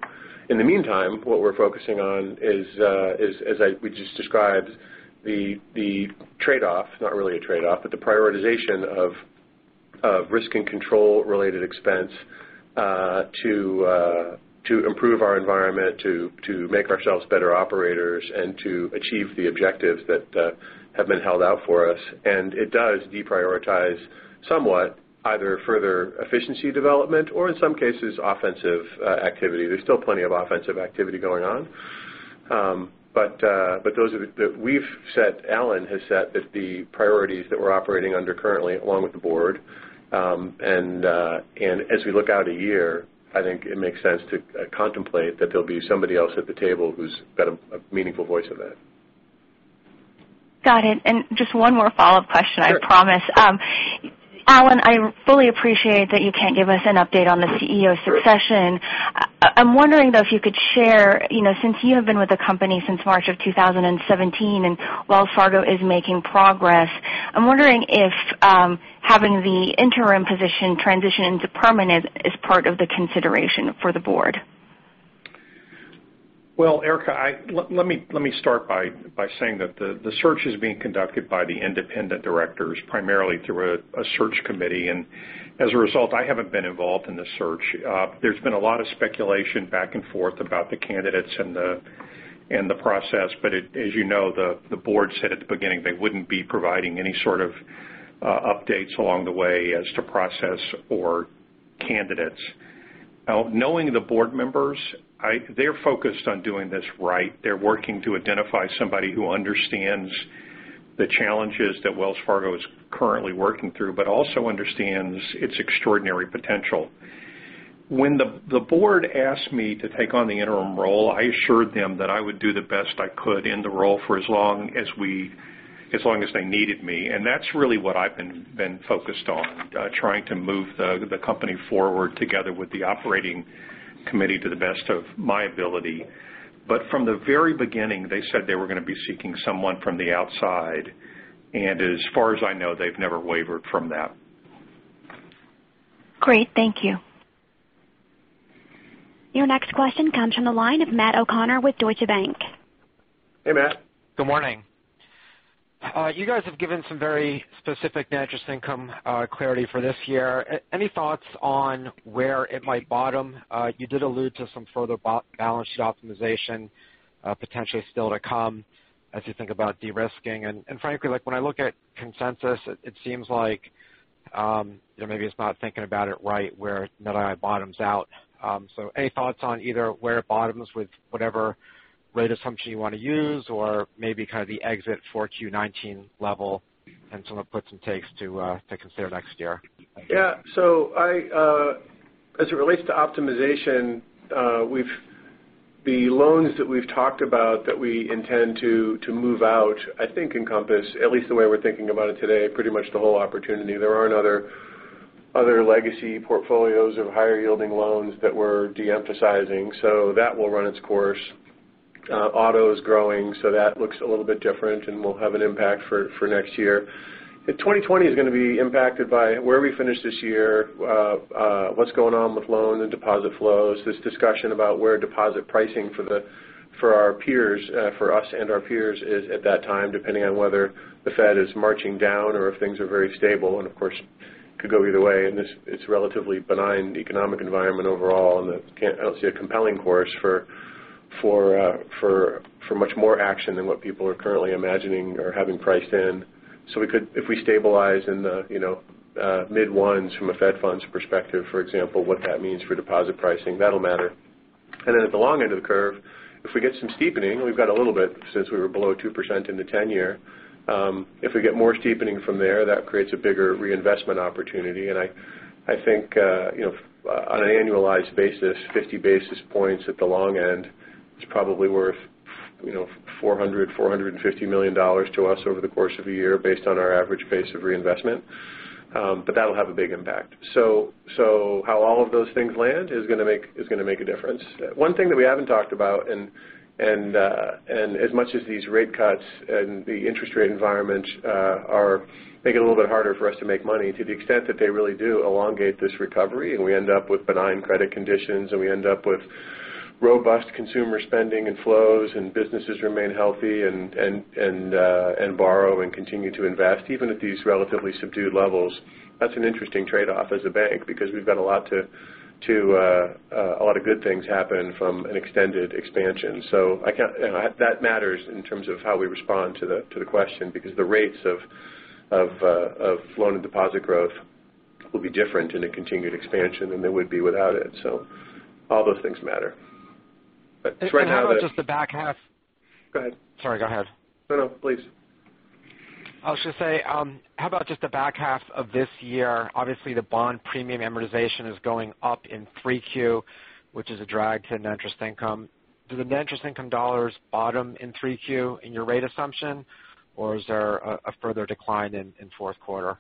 In the meantime, what we're focusing on is, as we just described, the trade-off, not really a trade-off, but the prioritization of risk and control-related expense to improve our environment, to make ourselves better operators, and to achieve the objectives that have been held out for us. It does deprioritize somewhat, either further efficiency development or in some cases, offensive activity. There's still plenty of offensive activity going on. We've set, Allen has set the priorities that we're operating under currently, along with the board. As we look out a year, I think it makes sense to contemplate that there'll be somebody else at the table who's got a meaningful voice in that. Got it. Just one more follow-up question, I promise. Sure. Allen, I fully appreciate that you can't give us an update on the CEO succession. I'm wondering, though, if you could share, since you have been with the company since March of 2017 and Wells Fargo is making progress, I'm wondering if having the interim position transition into permanent is part of the consideration for the board. Well, Erika, let me start by saying that the search is being conducted by the independent directors, primarily through a search committee. As a result, I haven't been involved in the search. There's been a lot of speculation back and forth about the candidates and the process, but as you know, the board said at the beginning they wouldn't be providing any sort of updates along the way as to process or candidates. Knowing the board members, they're focused on doing this right. They're working to identify somebody who understands the challenges that Wells Fargo is currently working through, but also understands its extraordinary potential. When the board asked me to take on the interim role, I assured them that I would do the best I could in the role for as long as they needed me, and that's really what I've been focused on, trying to move the company forward together with the operating committee to the best of my ability. From the very beginning, they said they were going to be seeking someone from the outside. As far as I know, they've never wavered from that. Great. Thank you. Your next question comes from the line of Matt O'Connor with Deutsche Bank. Hey, Matt. Good morning. You guys have given some very specific net interest income clarity for this year. Frankly, when I look at consensus, it seems like maybe it's not thinking about it right where net I bottoms out. Any thoughts on either where it bottoms with whatever rate assumption you want to use or maybe kind of the exit for Q19 level and some of the puts and takes to consider next year? Yeah. As it relates to optimization, the loans that we've talked about that we intend to move out, I think encompass, at least the way we're thinking about it today, pretty much the whole opportunity. There aren't other legacy portfolios of higher-yielding loans that we're de-emphasizing. That will run its course. Auto is growing, that looks a little bit different and will have an impact for next year. 2020 is going to be impacted by where we finish this year, what's going on with loan and deposit flows, this discussion about where deposit pricing for us and our peers is at that time, depending on whether the Fed is marching down or if things are very stable, and of course, could go either way in this relatively benign economic environment overall. I don't see a compelling course for much more action than what people are currently imagining or having priced in. If we stabilize in the mid ones from a Fed funds perspective, for example, what that means for deposit pricing, that'll matter. At the long end of the curve, if we get some steepening, we've got a little bit since we were below 2% in the 10-year. If we get more steepening from there, that creates a bigger reinvestment opportunity, and I think, on an annualized basis, 50 basis points at the long end is probably worth $400 million, $450 million to us over the course of a year based on our average pace of reinvestment. That'll have a big impact. How all of those things land is going to make a difference. One thing that we haven't talked about, as much as these rate cuts and the interest rate environments make it a little bit harder for us to make money to the extent that they really do elongate this recovery, and we end up with benign credit conditions, and we end up with robust consumer spending and flows and businesses remain healthy and borrow and continue to invest, even at these relatively subdued levels. That's an interesting trade-off as a bank because we've got a lot of good things happen from an extended expansion. That matters in terms of how we respond to the question, because the rates of loan and deposit growth will be different in a continued expansion than they would be without it. All those things matter. To try and have a- How about just the back half? Go ahead. Sorry, go ahead. No, no. Please. I was just going to say, how about just the back half of this year? Obviously, the bond premium amortization is going up in 3Q, which is a drag to net interest income. Do the net interest income dollars bottom in 3Q in your rate assumption, or is there a further decline in fourth quarter?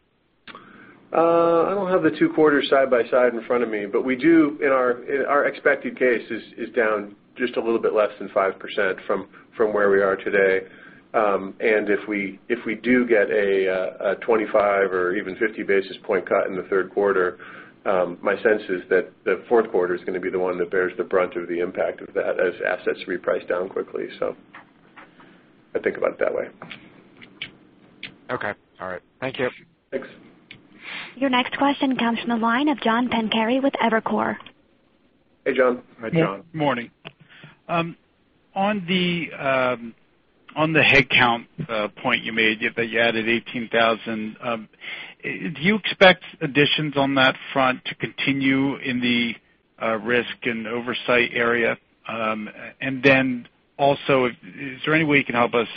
I don't have the two quarters side by side in front of me, but we do, our expected case is down just a little bit less than 5% from where we are today. If we do get a 25 or even 50 basis point cut in the third quarter, my sense is that the fourth quarter is going to be the one that bears the brunt of the impact of that as assets reprice down quickly. I think about it that way. Okay. All right. Thank you. Thanks. Your next question comes from the line of John Pancari with Evercore. Hey, John. Hi, John. Morning. On the headcount point you made, that you added 18,000, do you expect additions on that front to continue in the risk and oversight area? Then also, is there any way you can help us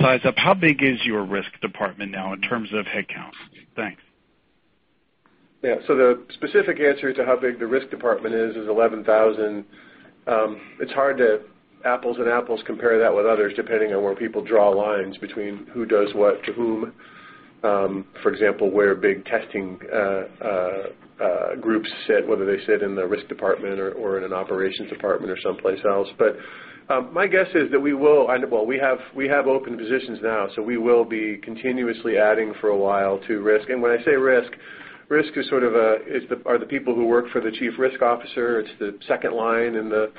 size up how big is your risk department now in terms of headcounts? Thanks. Yeah. The specific answer to how big the risk department is 11,000. It's hard to apples and apples compare that with others, depending on where people draw lines between who does what to whom. For example, where big testing groups sit, whether they sit in the risk department or in an operations department or someplace else. My guess is that we will, well, we have open positions now, we will be continuously adding for a while to risk. When I say risk are the people who work for the Chief Risk Officer. It's the second line in the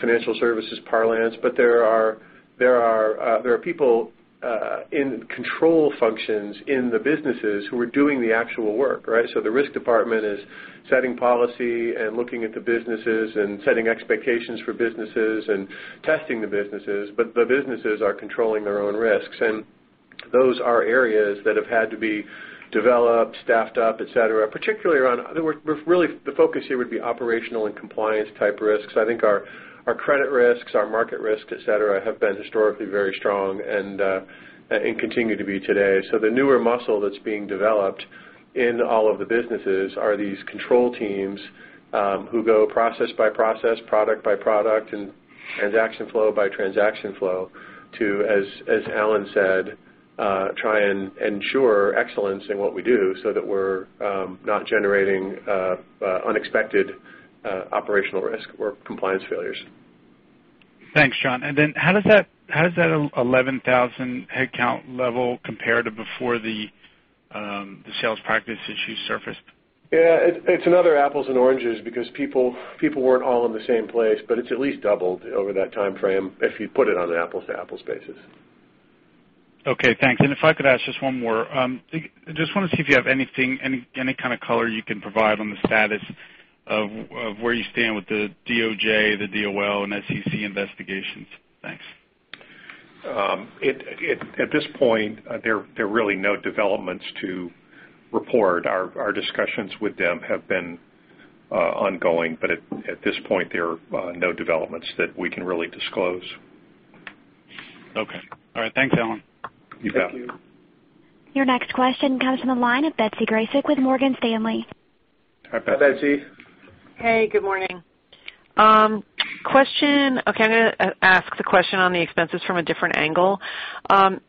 financial services parlance. There are people in control functions in the businesses who are doing the actual work, right? The risk department is setting policy and looking at the businesses and setting expectations for businesses and testing the businesses, the businesses are controlling their own risks, those are areas that have had to be developed, staffed up, et cetera, particularly around, really, the focus here would be operational and compliance type risks. I think our credit risks, our market risks, et cetera, have been historically very strong and continue to be today. The newer muscle that's being developed in all of the businesses are these control teams, who go process by process, product by product, and transaction flow by transaction flow to, as Allen said, try and ensure excellence in what we do so that we're not generating unexpected operational risk or compliance failures. Thanks, John. Then how does that 11,000 headcount level compare to before the sales practices you surfaced? Yeah, it's another apples and oranges because people weren't all in the same place, but it's at least doubled over that time frame if you put it on an apples to apples basis. Okay, thanks. If I could ask just one more. I just want to see if you have any kind of color you can provide on the status of where you stand with the DOJ, the DOL, and SEC investigations. Thanks. At this point, there are really no developments to report. Our discussions with them have been ongoing, at this point, there are no developments that we can really disclose. Okay. All right. Thanks, Allen. You bet. Thank you. Your next question comes from the line of Betsy Graseck with Morgan Stanley. Hi, Betsy. Hi, Betsy. Hey, good morning. I'm going to ask the question on the expenses from a different angle. I'm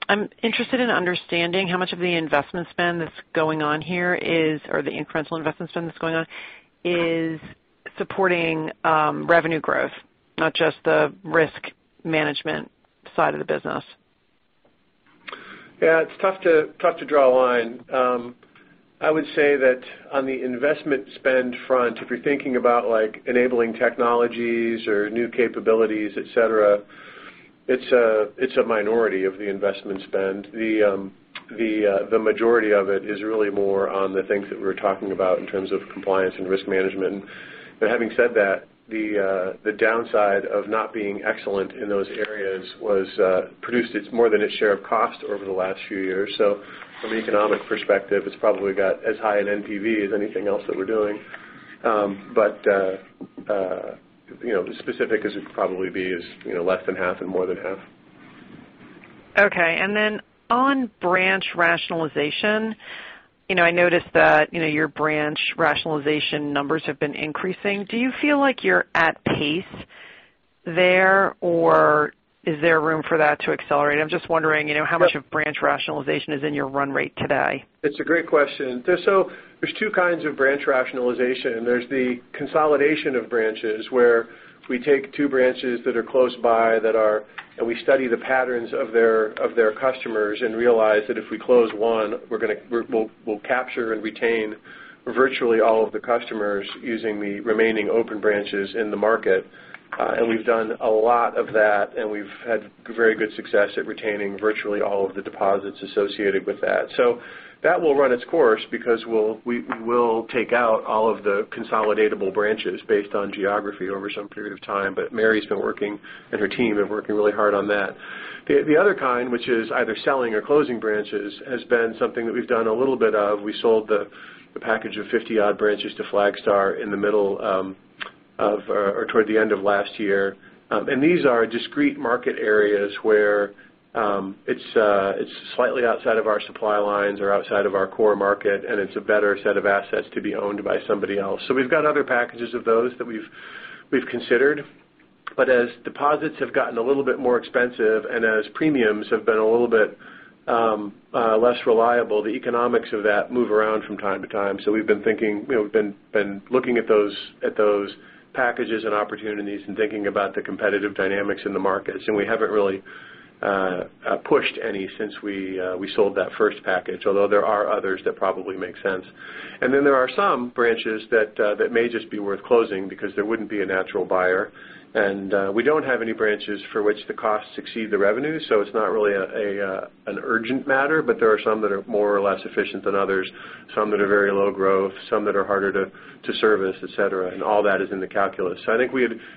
interested in understanding how much of the investment spend that's going on here is, or the incremental investment spend that's going on, is supporting revenue growth, not just the risk management side of the business. Yeah, it's tough to draw a line. I would say that on the investment spend front, if you're thinking about enabling technologies or new capabilities, et cetera, it's a minority of the investment spend. The majority of it is really more on the things that we're talking about in terms of compliance and risk management. Having said that, the downside of not being excellent in those areas produced more than its share of cost over the last few years. From an economic perspective, it's probably got as high an NPV as anything else that we're doing. The specific as it could probably be is less than half and more than half. Okay. On branch rationalization, I noticed that your branch rationalization numbers have been increasing. Do you feel like you're at pace there, or is there room for that to accelerate? I'm just wondering how much of branch rationalization is in your run rate today. It's a great question. There's two kinds of branch rationalization. There's the consolidation of branches, where we take two branches that are close by, and we study the patterns of their customers and realize that if we close one, we'll capture and retain virtually all of the customers using the remaining open branches in the market. We've done a lot of that, and we've had very good success at retaining virtually all of the deposits associated with that. That will run its course because we will take out all of the consolidatable branches based on geography over some period of time. Mary's been working, and her team have been working really hard on that. The other kind, which is either selling or closing branches, has been something that we've done a little bit of. We sold the package of 50-odd branches to Flagstar in the middle of, or toward the end of last year. These are discrete market areas where it's slightly outside of our supply lines or outside of our core market, and it's a better set of assets to be owned by somebody else. We've got other packages of those that we've considered. As deposits have gotten a little bit more expensive and as premiums have been a little bit less reliable, the economics of that move around from time to time. We've been thinking, we've been looking at those packages and opportunities and thinking about the competitive dynamics in the markets, and we haven't really pushed any since we sold that first package, although there are others that probably make sense. There are some branches that may just be worth closing because there wouldn't be a natural buyer, and we don't have any branches for which the costs exceed the revenue. It's not really an urgent matter, but there are some that are more or less efficient than others, some that are very low growth, some that are harder to service, et cetera. All that is in the calculus. I think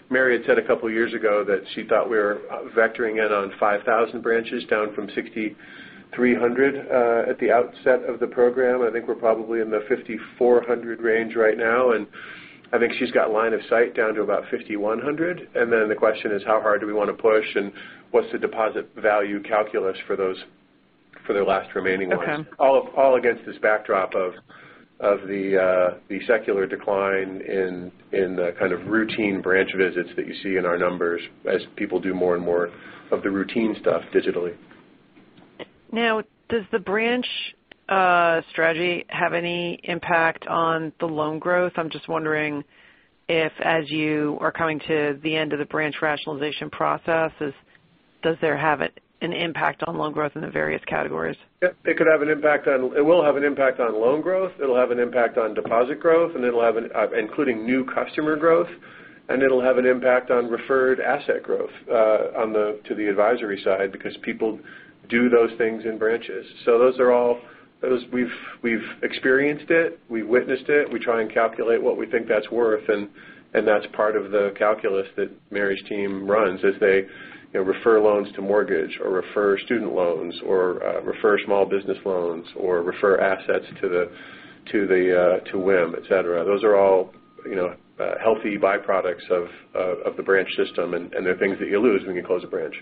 Mary had said a couple of years ago that she thought we were vectoring in on 5,000 branches down from 6,300 at the outset of the program. I think we're probably in the 5,400 range right now, and I think she's got line of sight down to about 5,100. The question is how hard do we want to push and what's the deposit value calculus for the last remaining ones. Okay. All against this backdrop of the secular decline in the kind of routine branch visits that you see in our numbers as people do more and more of the routine stuff digitally. Now, does the branch strategy have any impact on the loan growth? I'm just wondering if, as you are coming to the end of the branch rationalization process, does that have an impact on loan growth in the various categories? Yeah, it could have an impact it will have an impact on loan growth. It'll have an impact on deposit growth, including new customer growth. It'll have an impact on referred asset growth to the advisory side because people do those things in branches. We've experienced it. We've witnessed it. We try and calculate what we think that's worth, and that's part of the calculus that Mary's team runs as they refer loans to mortgage or refer student loans or refer small business loans or refer assets to WIM, et cetera. Those are all healthy byproducts of the branch system, and they're things that you lose when you close a branch.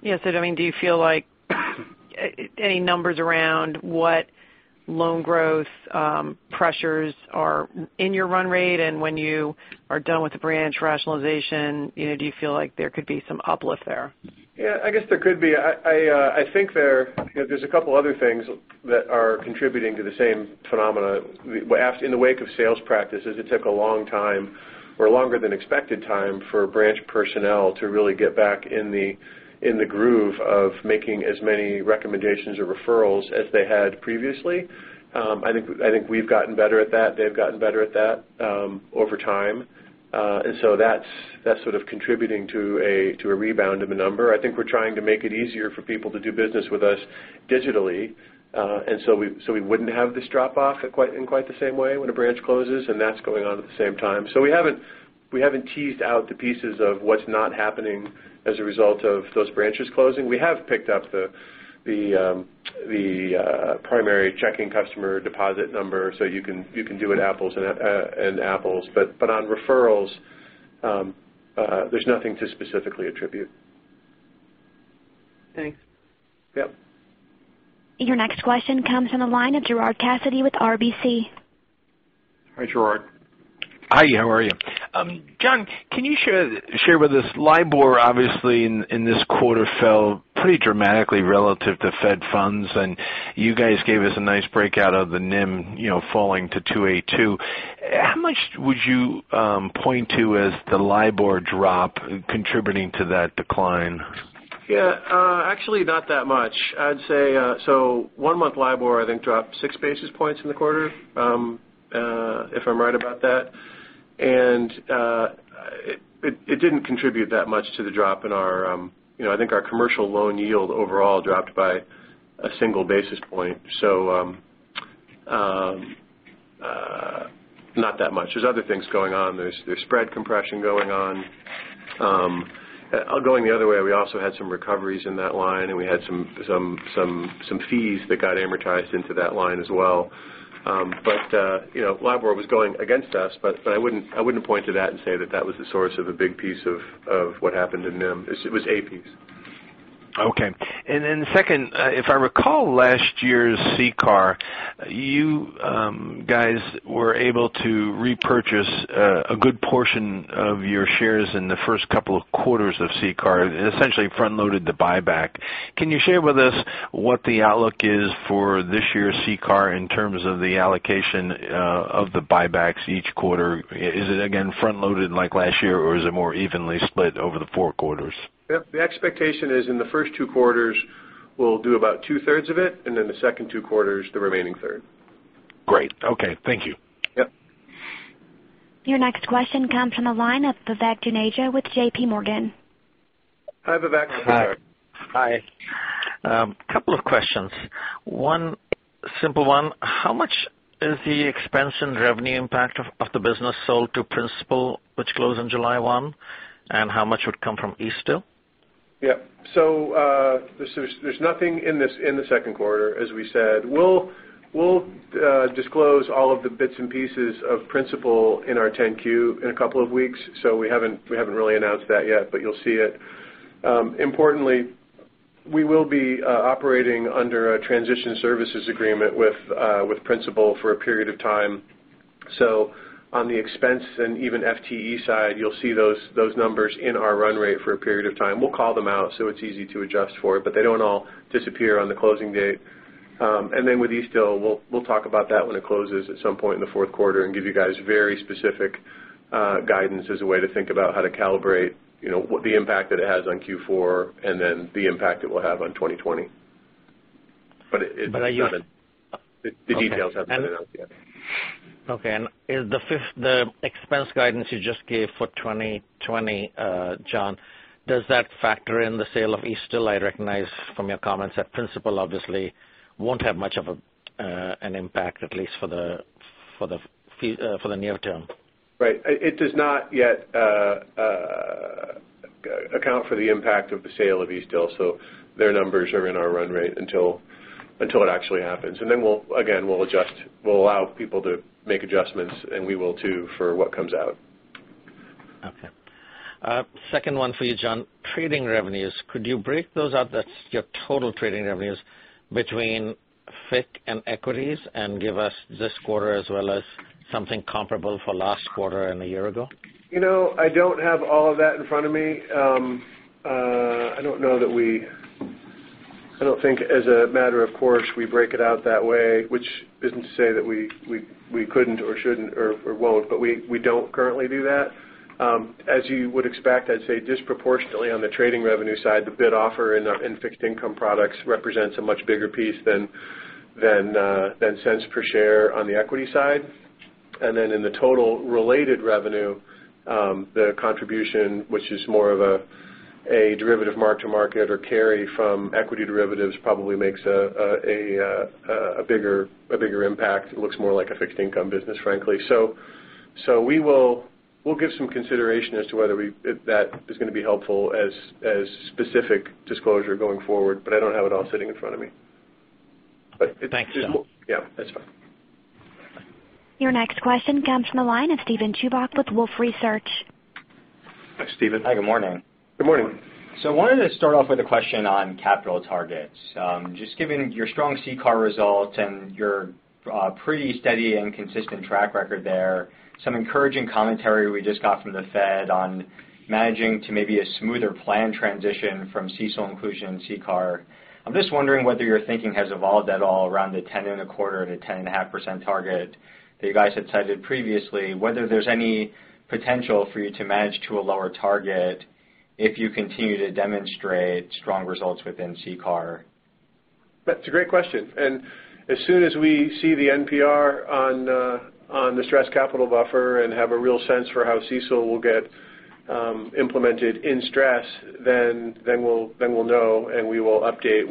Yeah. Do you feel like any numbers around what loan growth pressures are in your run rate, and when you are done with the branch rationalization, do you feel like there could be some uplift there? Yeah, I guess there could be. I think there's a couple other things that are contributing to the same phenomena. In the wake of sales practices, it took a long time or longer than expected time for branch personnel to really get back in the groove of making as many recommendations or referrals as they had previously. I think we've gotten better at that. They've gotten better at that over time. That's sort of contributing to a rebound of a number. I think we're trying to make it easier for people to do business with us digitally. We wouldn't have this drop off in quite the same way when a branch closes, and that's going on at the same time. We haven't teased out the pieces of what's not happening as a result of those branches closing. We have picked up the primary checking customer deposit number, so you can do it apples and apples. On referrals, there's nothing to specifically attribute. Thanks. Yep. Your next question comes from the line of Gerard Cassidy with RBC. Hi, Gerard. Hi, how are you? John, can you share with us, LIBOR obviously in this quarter fell pretty dramatically relative to Fed funds, and you guys gave us a nice breakout of the NIM falling to 282. How much would you point to as the LIBOR drop contributing to that decline? Yeah. Actually, not that much. I'd say, one-month LIBOR I think dropped six basis points in the quarter, if I'm right about that. It didn't contribute that much to the drop. I think our commercial loan yield overall dropped by a single basis point. Not that much. There's other things going on. There's spread compression going on. Going the other way, we also had some recoveries in that line, and we had some fees that got amortized into that line as well. LIBOR was going against us, but I wouldn't point to that and say that that was the source of a big piece of what happened in NIM. It was a piece. Okay. Second, if I recall last year's CCAR, you guys were able to repurchase a good portion of your shares in the first couple of quarters of CCAR, essentially front-loaded the buyback. Can you share with us what the outlook is for this year's CCAR in terms of the allocation of the buybacks each quarter? Is it again front-loaded like last year, or is it more evenly split over the four quarters? Yep. The expectation is in the first two quarters, we'll do about two-thirds of it, the second two quarters, the remaining third. Great. Okay. Thank you. Yep. Your next question comes from the line of Vivek Juneja with JPMorgan. Hi, Vivek. Hi. Couple of questions. One simple one, how much is the expense and revenue impact of the business sold to Principal, which closed on July one, and how much would come from Eastdil? Yeah. There's nothing in the second quarter, as we said. We'll disclose all of the bits and pieces of Principal in our 10-Q in a couple of weeks, so we haven't really announced that yet, but you'll see it. Importantly, we will be operating under a transition services agreement with Principal for a period of time. On the expense and even FTE side, you'll see those numbers in our run rate for a period of time. We'll call them out so it's easy to adjust for, but they don't all disappear on the closing date. With Eastdil Secured, we'll talk about that when it closes at some point in the fourth quarter and give you guys very specific guidance as a way to think about how to calibrate the impact that it has on Q4 and then the impact it will have on 2020. But it- But I just- The details haven't been announced yet. Okay. The expense guidance you just gave for 2020, John, does that factor in the sale of Eastdil? I recognize from your comments that Principal obviously won't have much of an impact, at least for the near term. Right. It does not yet account for the impact of the sale of Eastdil, so their numbers are in our run rate until it actually happens. Then, again, we'll allow people to make adjustments, and we will too, for what comes out. Okay. Second one for you, John. Trading revenues. Could you break those out, that's your total trading revenues between FICC and equities, and give us this quarter as well as something comparable for last quarter and a year ago? I don't have all of that in front of me. I don't think as a matter of course we break it out that way, which isn't to say that we couldn't or shouldn't or won't, but we don't currently do that. As you would expect, I'd say disproportionately on the trading revenue side, the bid offer in fixed income products represents a much bigger piece than $0.10 Per share on the equity side. Then in the total related revenue, the contribution, which is more of a derivative mark to market or carry from equity derivatives, probably makes a bigger impact. It looks more like a fixed income business, frankly. We'll give some consideration as to whether that is going to be helpful as specific disclosure going forward, but I don't have it all sitting in front of me. Thanks, John. Yeah, that's fine. Your next question comes from the line of Steven Chubak with Wolfe Research. Hi, Steven. Hi, good morning. Good morning. I wanted to start off with a question on capital targets. Just given your strong CCAR results and your pretty steady and consistent track record there, some encouraging commentary we just got from the Fed on managing to maybe a smoother plan transition from CECL inclusion CCAR. I'm just wondering whether your thinking has evolved at all around the 10.25%-10.5% target that you guys had cited previously, whether there's any potential for you to manage to a lower target if you continue to demonstrate strong results within CCAR. That's a great question. As soon as we see the NPR on the stress capital buffer and have a real sense for how CECL will get implemented in stress, we'll know, and we will update.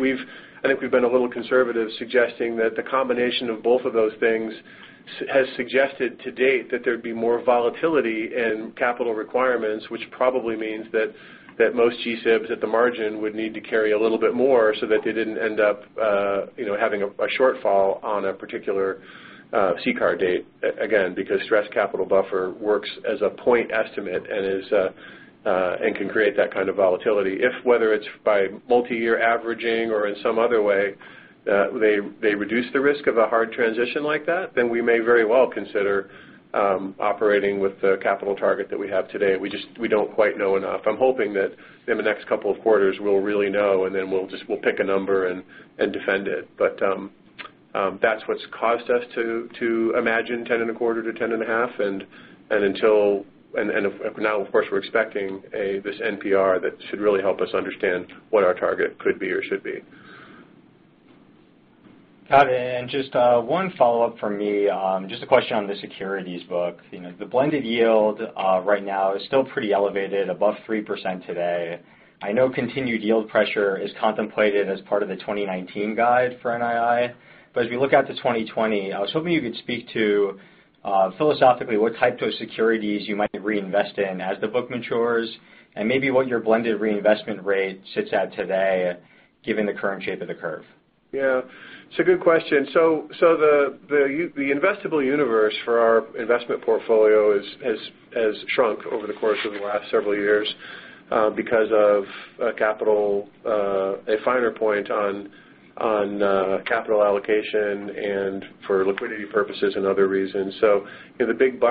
I think we've been a little conservative suggesting that the combination of both of those things has suggested to date that there'd be more volatility in capital requirements, which probably means that most GSIBs at the margin would need to carry a little bit more so that they didn't end up having a shortfall on a particular CCAR date, again, because stress capital buffer works as a point estimate and can create that kind of volatility. If whether it's by multi-year averaging or in some other way, they reduce the risk of a hard transition like that, we may very well consider operating with the capital target that we have today. We don't quite know enough. I'm hoping that in the next couple of quarters, we'll really know, then we'll pick a number and defend it. That's what's caused us to imagine 10.25%-10.5%, now, of course, we're expecting this NPR that should really help us understand what our target could be or should be. Got it. Just one follow-up from me. Just a question on the securities book. The blended yield right now is still pretty elevated, above 3% today. I know continued yield pressure is contemplated as part of the 2019 guide for NII, as we look out to 2020, I was hoping you could speak to philosophically what type of securities you might reinvest in as the book matures, and maybe what your blended reinvestment rate sits at today, given the current shape of the curve. Yeah. It's a good question. The investable universe for our investment portfolio has shrunk over the course of the last several years because of a finer point on capital allocation and for liquidity purposes and other reasons. The biggest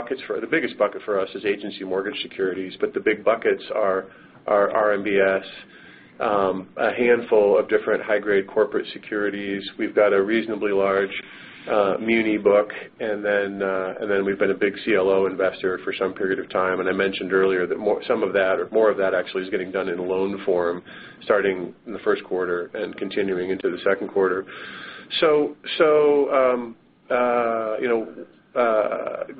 bucket for us is agency mortgage securities, the big buckets are RMBS, a handful of different high-grade corporate securities. We've got a reasonably large muni book, then we've been a big CLO investor for some period of time. I mentioned earlier that more of that actually is getting done in loan form starting in the first quarter and continuing into the second quarter.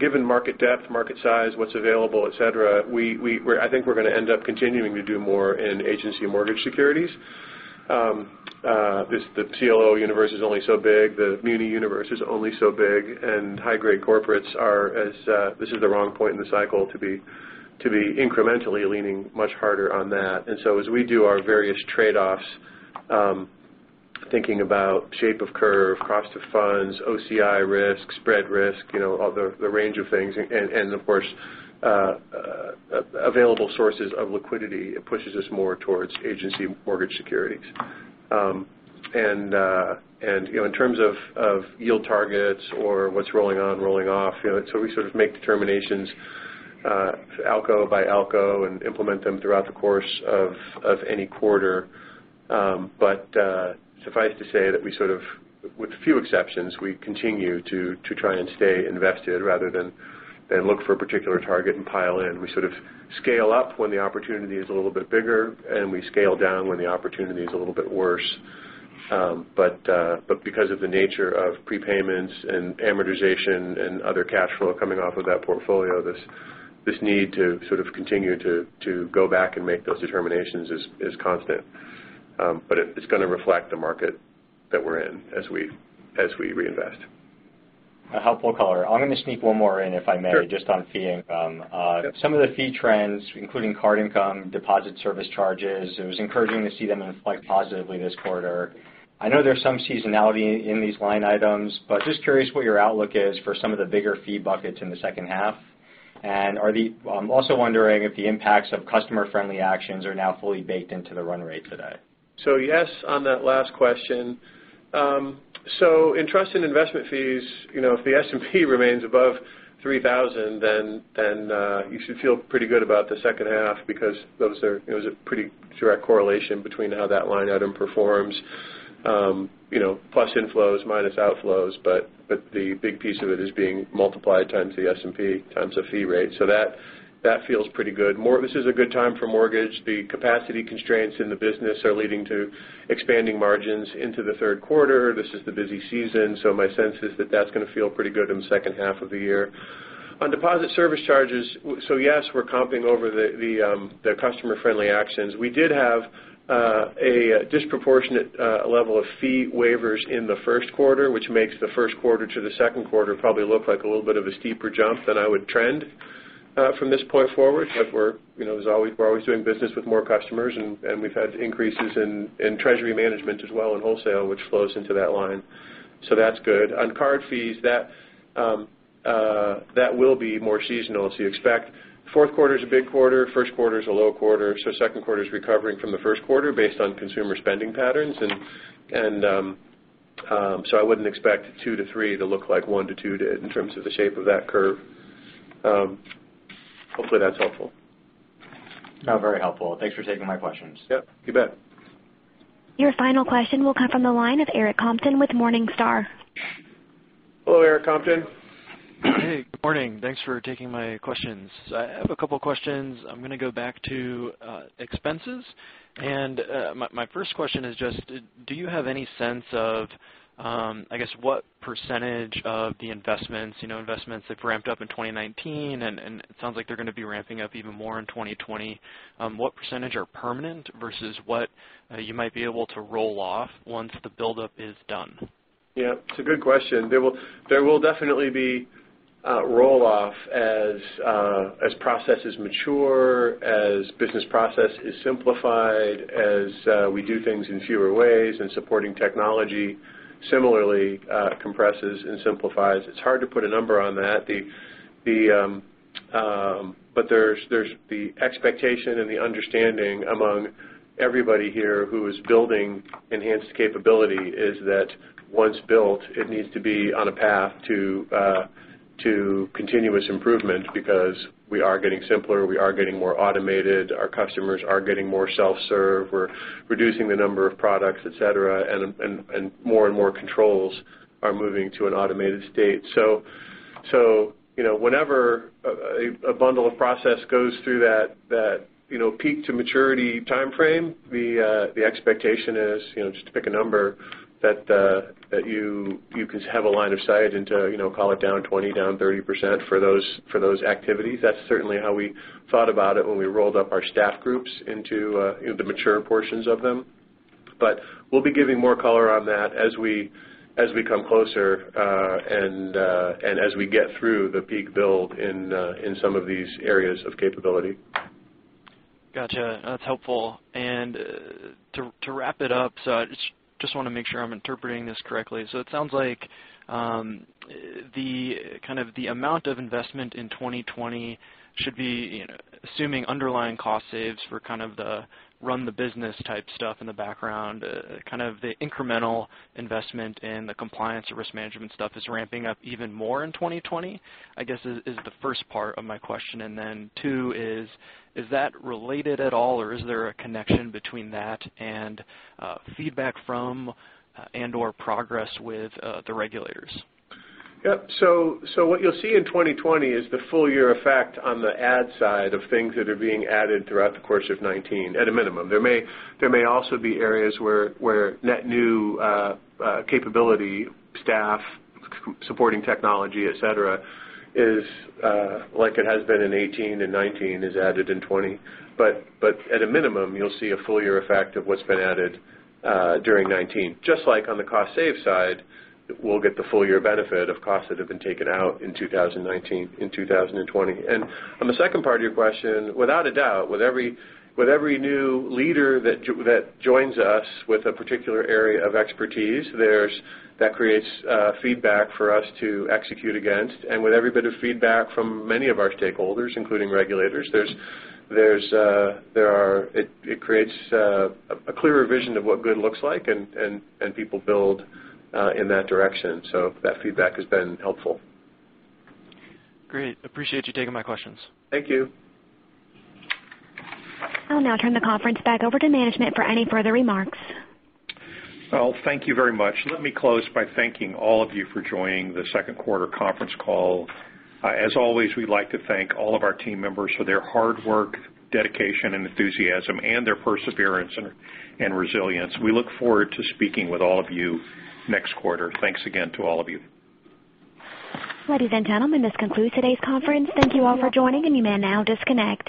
Given market depth, market size, what's available, et cetera, I think we're going to end up continuing to do more in agency mortgage securities. The CLO universe is only so big. The muni universe is only so big. High-grade corporates are as this is the wrong point in the cycle to be incrementally leaning much harder on that. As we do our various trade-offs, thinking about shape of curve, cost of funds, OCI risk, spread risk, all the range of things, and of course available sources of liquidity, it pushes us more towards agency mortgage securities. In terms of yield targets or what's rolling on, rolling off, we sort of make determinations ALCO by ALCO and implement them throughout the course of any quarter. Suffice to say that we sort of, with few exceptions, we continue to try and stay invested rather than look for a particular target and pile in. We sort of scale up when the opportunity is a little bit bigger, and we scale down when the opportunity is a little bit worse. Because of the nature of prepayments and amortization and other cash flow coming off of that portfolio, this need to sort of continue to go back and make those determinations is constant. It's going to reflect the market that we're in as we reinvest. A helpful color. I'm going to sneak one more in, if I may. Sure Just on fee income. Yep. Some of the fee trends, including card income, deposit service charges, it was encouraging to see them inflect positively this quarter. I know there's some seasonality in these line items, but just curious what your outlook is for some of the bigger fee buckets in the second half. I'm also wondering if the impacts of customer-friendly actions are now fully baked into the run rate today. Yes, on that last question. In trust and investment fees, if the S&P remains above 3,000, you should feel pretty good about the second half because those are a pretty direct correlation between how that line item performs. Plus inflows, minus outflows, but the big piece of it is being multiplied times the S&P times a fee rate. That feels pretty good. This is a good time for mortgage. The capacity constraints in the business are leading to expanding margins into the third quarter. This is the busy season, my sense is that that's going to feel pretty good in the second half of the year. On deposit service charges, yes, we're comping over the customer-friendly actions. We did have a disproportionate level of fee waivers in the first quarter, which makes the first quarter to the second quarter probably look like a little bit of a steeper jump than I would trend from this point forward. We're always doing business with more customers, and we've had increases in treasury management as well, and wholesale, which flows into that line. That's good. On card fees, that will be more seasonal, as you expect. Fourth quarter is a big quarter. First quarter is a low quarter. Second quarter is recovering from the first quarter based on consumer spending patterns. I wouldn't expect two to three to look like one to two did in terms of the shape of that curve. Hopefully, that's helpful. Very helpful. Thanks for taking my questions. Yep, you bet. Your final question will come from the line of Eric Compton with Morningstar. Hello, Eric Compton. Hey, good morning. Thanks for taking my questions. I have a couple questions. I'm going to go back to expenses. My first question is just, do you have any sense of what percentage of the investments that ramped up in 2019, and it sounds like they're going to be ramping up even more in 2020. What % are permanent versus what you might be able to roll off once the buildup is done? Yeah. It's a good question. There will definitely be roll-off as processes mature, as business process is simplified, as we do things in fewer ways and supporting technology similarly compresses and simplifies. It's hard to put a number on that. There's the expectation and the understanding among everybody here who is building enhanced capability is that once built, it needs to be on a path to continuous improvement because we are getting simpler, we are getting more automated, our customers are getting more self-serve, we're reducing the number of products, et cetera, and more and more controls are moving to an automated state. Whenever a bundle of process goes through that peak to maturity timeframe, the expectation is, just to pick a number, that you could have a line of sight into, call it down 20%, down 30% for those activities. That's certainly how we thought about it when we rolled up our staff groups into the mature portions of them. We'll be giving more color on that as we come closer and as we get through the peak build in some of these areas of capability. Gotcha. That's helpful. To wrap it up, I just want to make sure I'm interpreting this correctly. It sounds like the amount of investment in 2020 should be assuming underlying cost saves for kind of the run the business type stuff in the background, kind of the incremental investment in the compliance risk management stuff is ramping up even more in 2020, I guess, is the first part of my question. Then 2 is that related at all or is there a connection between that and feedback from and/or progress with the regulators? Yep. What you'll see in 2020 is the full year effect on the add side of things that are being added throughout the course of 2019, at a minimum. There may also be areas where net new capability staff supporting technology, et cetera, is like it has been in 2018 and 2019 is added in 2020. At a minimum, you'll see a full year effect of what's been added during 2019. Just like on the cost save side, we'll get the full year benefit of costs that have been taken out in 2019, in 2020. On the second part of your question, without a doubt, with every new leader that joins us with a particular area of expertise, that creates feedback for us to execute against. With every bit of feedback from many of our stakeholders, including regulators, it creates a clearer vision of what good looks like and people build in that direction. That feedback has been helpful. Great. Appreciate you taking my questions. Thank you. I'll now turn the conference back over to management for any further remarks. Well, thank you very much. Let me close by thanking all of you for joining the second quarter conference call. As always, we'd like to thank all of our team members for their hard work, dedication, and enthusiasm, and their perseverance and resilience. We look forward to speaking with all of you next quarter. Thanks again to all of you. Ladies and gentlemen, this concludes today's conference. Thank you all for joining, and you may now disconnect.